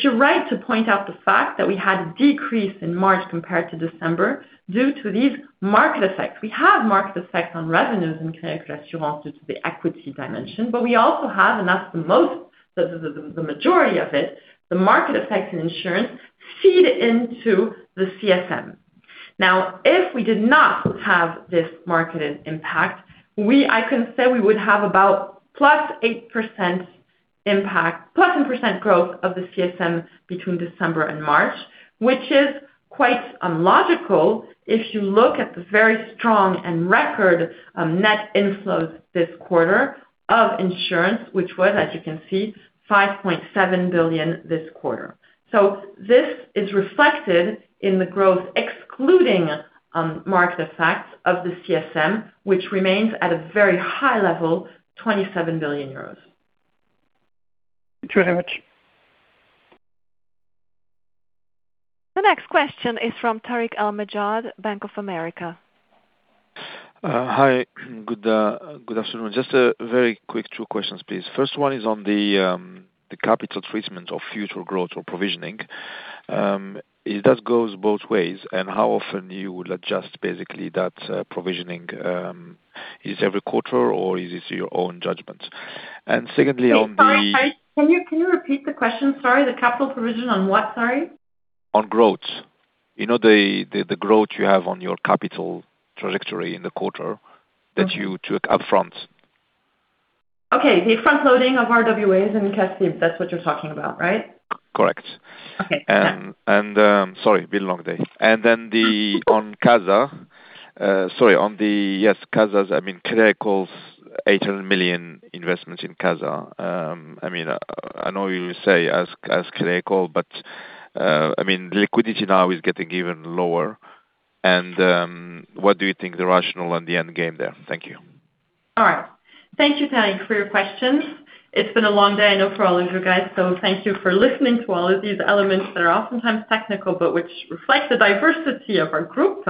You're right to point out the fact that we had a decrease in March compared to December due to these market effects. We have market effects on revenues in Crédit Agricole Assurances due to the equity dimension, but we also have, and that's the most, the majority of it, the market effects in insurance feed into the CSM. If we did not have this marketed impact, we. I can say we would have about +8% impact, +8% growth of the CSM between December and March, which is quite unlogical if you look at the very strong and record net inflows this quarter of insurance, which was, as you can see, 5.7 billion this quarter. This is reflected in the growth excluding market effects of the CSM, which remains at a very high level, 27 billion euros. Thank you very much. The next question is from Tarik El Mejjad, Bank of America. Hi. Good afternoon. Just a very quick two questions, please. First one is on the capital treatment of future growth or provisioning. If that goes both ways and how often you would adjust basically that provisioning is every quarter or is this your own judgment? Secondly, on the- Hey, Tarik. Hi. Can you repeat the question? Sorry. The capital provision on what? Sorry. On growth. You know, the growth you have on your capital trajectory in the quarter that you took up front. Okay. The frontloading of RWAs in CACEIS, that's what you're talking about, right? Correct. Okay. Sorry, been a long day. Then the, on CASA, on the, yes, CASA's, I mean, Crédit Agricole 800 million investments in CASA. I mean, I know you say as Crédit Agricole, but, I mean, liquidity now is getting even lower. What do you think the rationale and the end game there? Thank you. All right. Thank you, Tarik, for your questions. It's been a long day, I know, for all of you guys, so thank you for listening to all of these elements that are oftentimes technical, but which reflect the diversity of our group.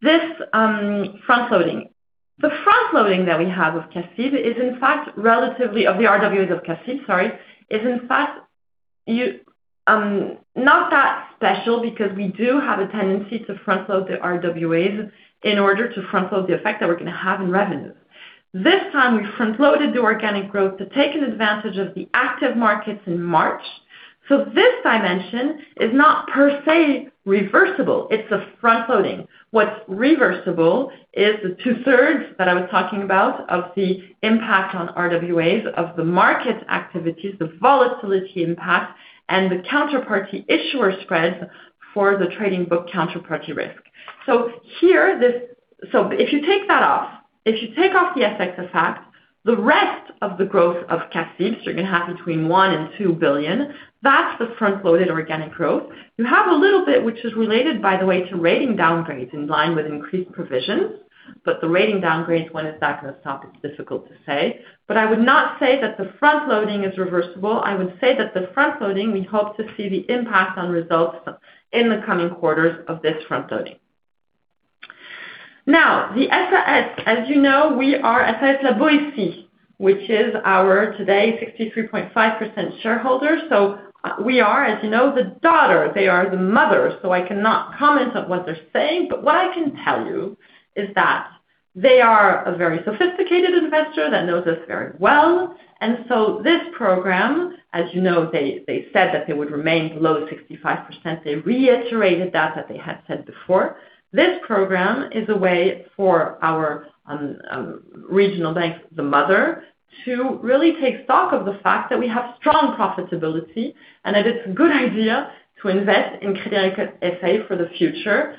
This frontloading. Of the RWAs of CACEIS, sorry, is in fact you not that special because we do have a tendency to frontload the RWAs in order to frontload the effect that we're gonna have in revenues. This time we frontloaded the organic growth to take an advantage of the active markets in March. This dimension is not per se reversible. It's a frontloading. What's reversible is the two-thirds that I was talking about of the impact on RWAs of the market activities, the volatility impact, and the counterparty issuer spreads for the trading book counterparty risk. If you take that off, if you take off the FX effect, the rest of the growth of CACEIS, which you're gonna have between 1 billion and 2 billion, that's the frontloaded organic growth. You have a little bit which is related, by the way, to rating downgrades in line with increased provisions, the rating downgrades, when is that gonna stop? It's difficult to say. I would not say that the frontloading is reversible. I would say that the frontloading, we hope to see the impact on results in the coming quarters of this frontloading. Now, the SAS, as you know, we are SAS Rue La Boétie, which is our today 63.5% shareholder. We are, as you know, the daughter, they are the mother, so I cannot comment on what they're saying. What I can tell you is that they are a very sophisticated investor that knows us very well. This program, as you know, they said that they would remain below 65%. They reiterated that they had said before. This program is a way for our regional bank, the mother, to really take stock of the fact that we have strong profitability and that it's a good idea to invest in Crédit Agricole S.A. for the future.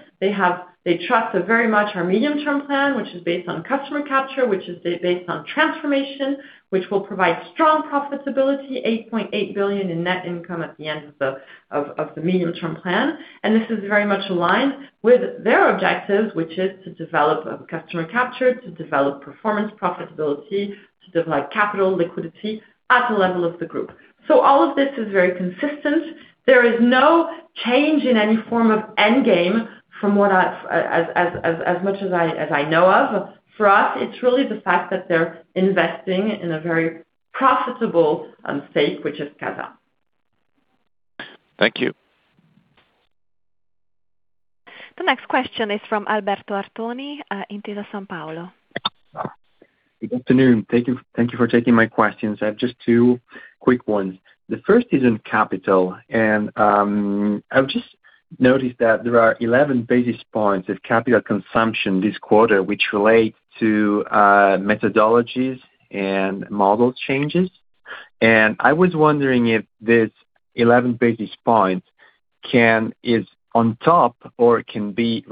They trust very much our medium-term plan, which is based on customer capture, which is based on transformation, which will provide strong profitability, 8.8 billion in net income at the end of the medium-term plan. This is very much aligned with their objectives, which is to develop a customer capture, to develop performance profitability, to develop capital liquidity at the level of the group. All of this is very consistent. There is no change in any form of end game from as much as I know of. For us, it's really the fact that they're investing in a very profitable stake, which is CASA. Thank you. The next question is from Alberto Artoni, Intesa Sanpaolo. Good afternoon. Thank you, thank you for taking my questions. I have just two quick ones. The first is in capital. I've just noticed that there are 11 basis points of capital consumption this quarter, which relate to methodologies and model changes. I was wondering if this 11 basis points is on top or it can be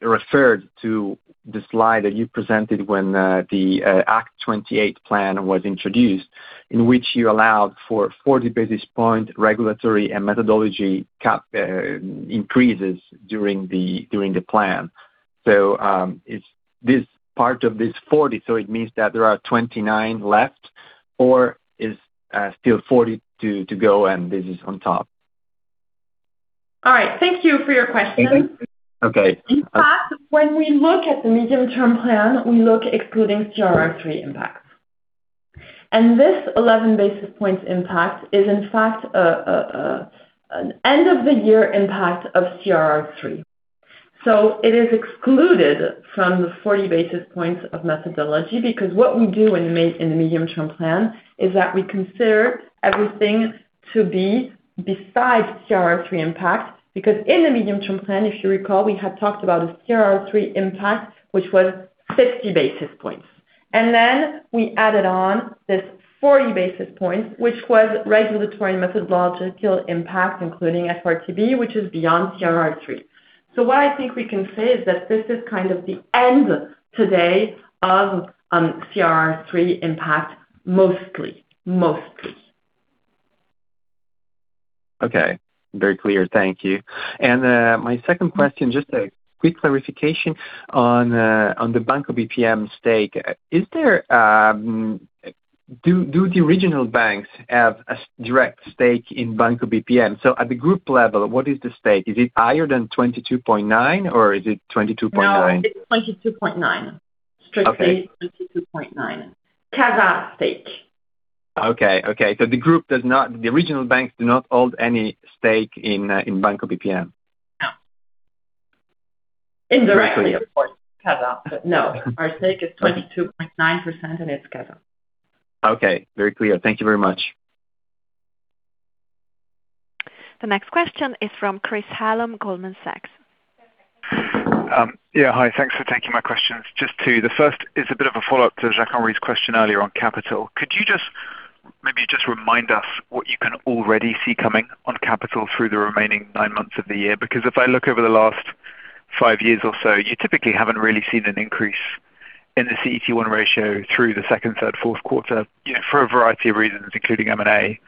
referred to the slide that you presented when the ACT 2028 plan was introduced, in which you allowed for 40 basis point regulatory and methodology increases during the plan. Is this part of this 40? It means that there are 29 left, or is still 40 to go and this is on top? All right. Thank you for your question. Okay. In fact, when we look at the medium-term plan, we look excluding CRR III impacts. This 11 basis points impact is in fact an end of the year impact of CRR III. It is excluded from the 40 basis points of methodology, because what we do in the medium term plan is that we consider everything to be besides CRR III impact. In the medium term plan, if you recall, we had talked about a CRR III impact, which was 50 basis points. Then we added on this 40 basis points, which was regulatory methodological impact, including FRTB, which is beyond CRR III. What I think we can say is that this is kind of the end today of CRR III impact, mostly. Mostly. Okay. Very clear. Thank you. My second question, just a quick clarification on the Banco BPM stake. Do the regional banks have a direct stake in Banco BPM? At the group level, what is the stake? Is it higher than 22.9% or is it 22.9%? No, it's 22.9%. Okay. Strictly 22.9% CASA stake. Okay, okay. The regional banks do not hold any stake in Banco BPM? No. Indirectly, of course, CASA. No, our stake is 22.9%, and it's CASA. Okay. Very clear. Thank you very much. The next question is from Chris Hallam, Goldman Sachs. Yeah, hi. Thanks for taking my questions. Just two. The first is a bit of a follow-up to Jacques-Henri Gaulard's question earlier on capital. Could you just, maybe just remind us what you can already see coming on capital through the remaining 9 months of the year? Because if I look over the last 5 years or so, you typically haven't really seen an increase in the CET1 ratio through the second, third, fourth quarter, you know, for a variety of reasons, including M&A.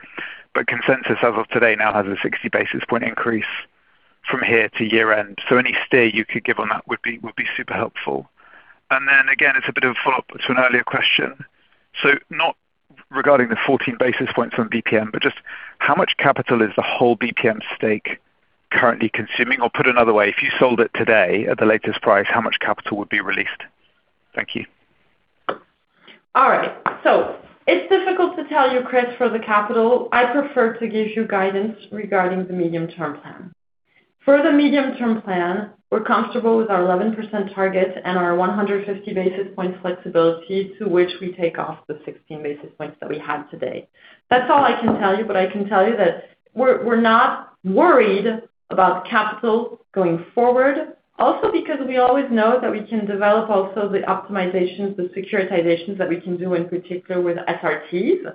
Consensus as of today now has a 60 basis point increase from here to year-end. Any steer you could give on that would be, would be super helpful. Again, it's a bit of a follow-up to an earlier question. Not regarding the 14 basis points from BPM, but just how much capital is the whole BPM stake currently consuming? Put another way, if you sold it today at the latest price, how much capital would be released? Thank you. All right. It's difficult to tell you, Chris, for the capital. I prefer to give you guidance regarding the medium-term plan. For the medium-term plan, we're comfortable with our 11% target and our 150 basis points flexibility to which we take off the 16 basis points that we have today. That's all I can tell you, but I can tell you that we're not worried about capital going forward, also because we always know that we can develop also the optimizations, the securitizations that we can do, in particular with SRTs.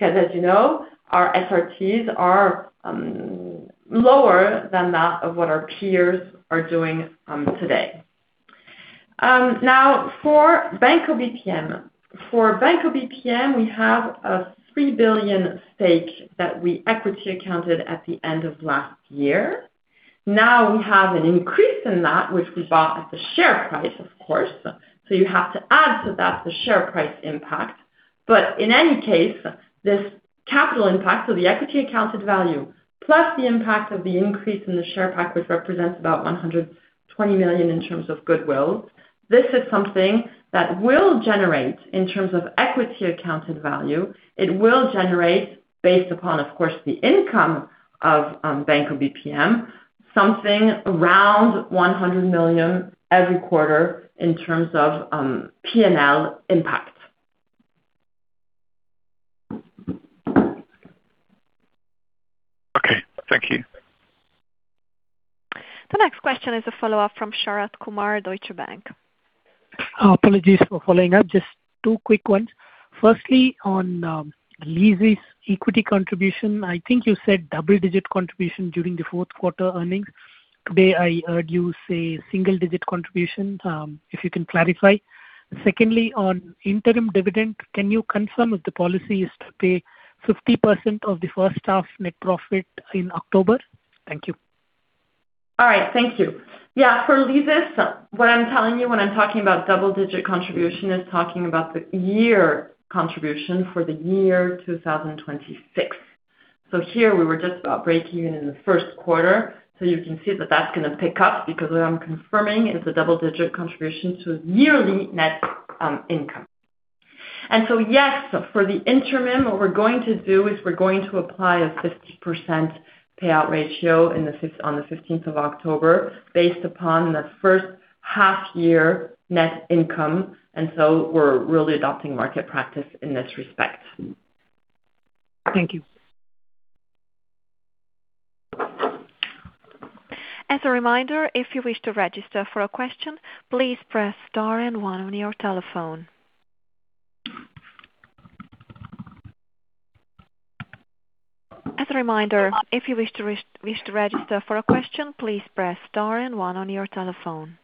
As you know, our SRTs are lower than that of what our peers are doing today. Now for Banco BPM. For Banco BPM, we have a 3 billion stake that we equity accounted at the end of last year. Now we have an increase in that which we bought at the share price, of course. You have to add to that the share price impact. In any case, this capital impact of the equity accounted value, plus the impact of the increase in the share package represents about 120 million in terms of goodwill. This is something that will generate in terms of equity accounted value. It will generate based upon, of course, the income of Banco BPM, something around 100 million every quarter in terms of P&L impact. Okay, thank you. The next question is a follow-up from Sharath Kumar, Deutsche Bank. Apologies for following up. Just two quick ones. Firstly, on LCL's equity contribution, I think you said double-digit contribution during the fourth quarter earnings. Today, I heard you say single-digit contribution, if you can clarify. Secondly, on interim dividend, can you confirm if the policy is to pay 50% of the first half net profit in October? Thank you. All right. Thank you. For leases, what I'm telling you when I'm talking about double-digit contribution is talking about the year contribution for the year 2026. Here we were just about breakeven in the first quarter. You can see that that's gonna pick up because what I'm confirming is the double-digit contribution to yearly net income. Yes, for the interim, what we're going to do is we're going to apply a 50% payout ratio on the 15th of October based upon the first half year net income, we're really adopting market practice in this respect. Thank you. As a reminder, if you wish to register for a question, please press star and one on your telephone. As a reminder, if you wish to register for a question, please press star and one on your telephone.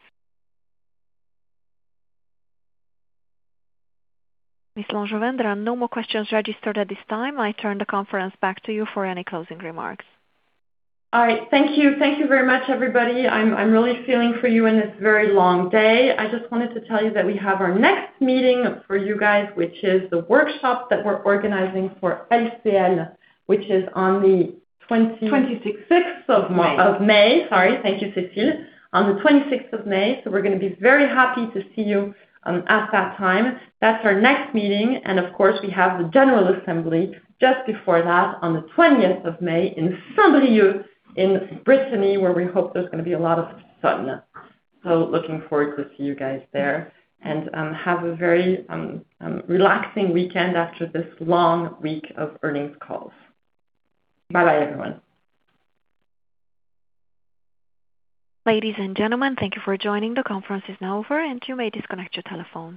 Ms. L'Angevin, there are no more questions registered at this time. I turn the conference back to you for any closing remarks. All right. Thank you. Thank you very much, everybody. I'm really feeling for you in this very long day. I just wanted to tell you that we have our next meeting for you guys, which is the workshop that we're organizing for LCL, which is on the 26th of May. Sorry. Thank you, Cécile. On the 26th of May. We're gonna be very happy to see you at that time. That's our next meeting. Of course, we have the general assembly just before that on the 20th of May in Saint-Brieuc in Brittany, where we hope there's gonna be a lot of sun. Looking forward to see you guys there. Have a very relaxing weekend after this long week of earnings calls. Bye-bye, everyone. Ladies and gentlemen, thank you for joining. The conference is now over, and you may disconnect your telephones.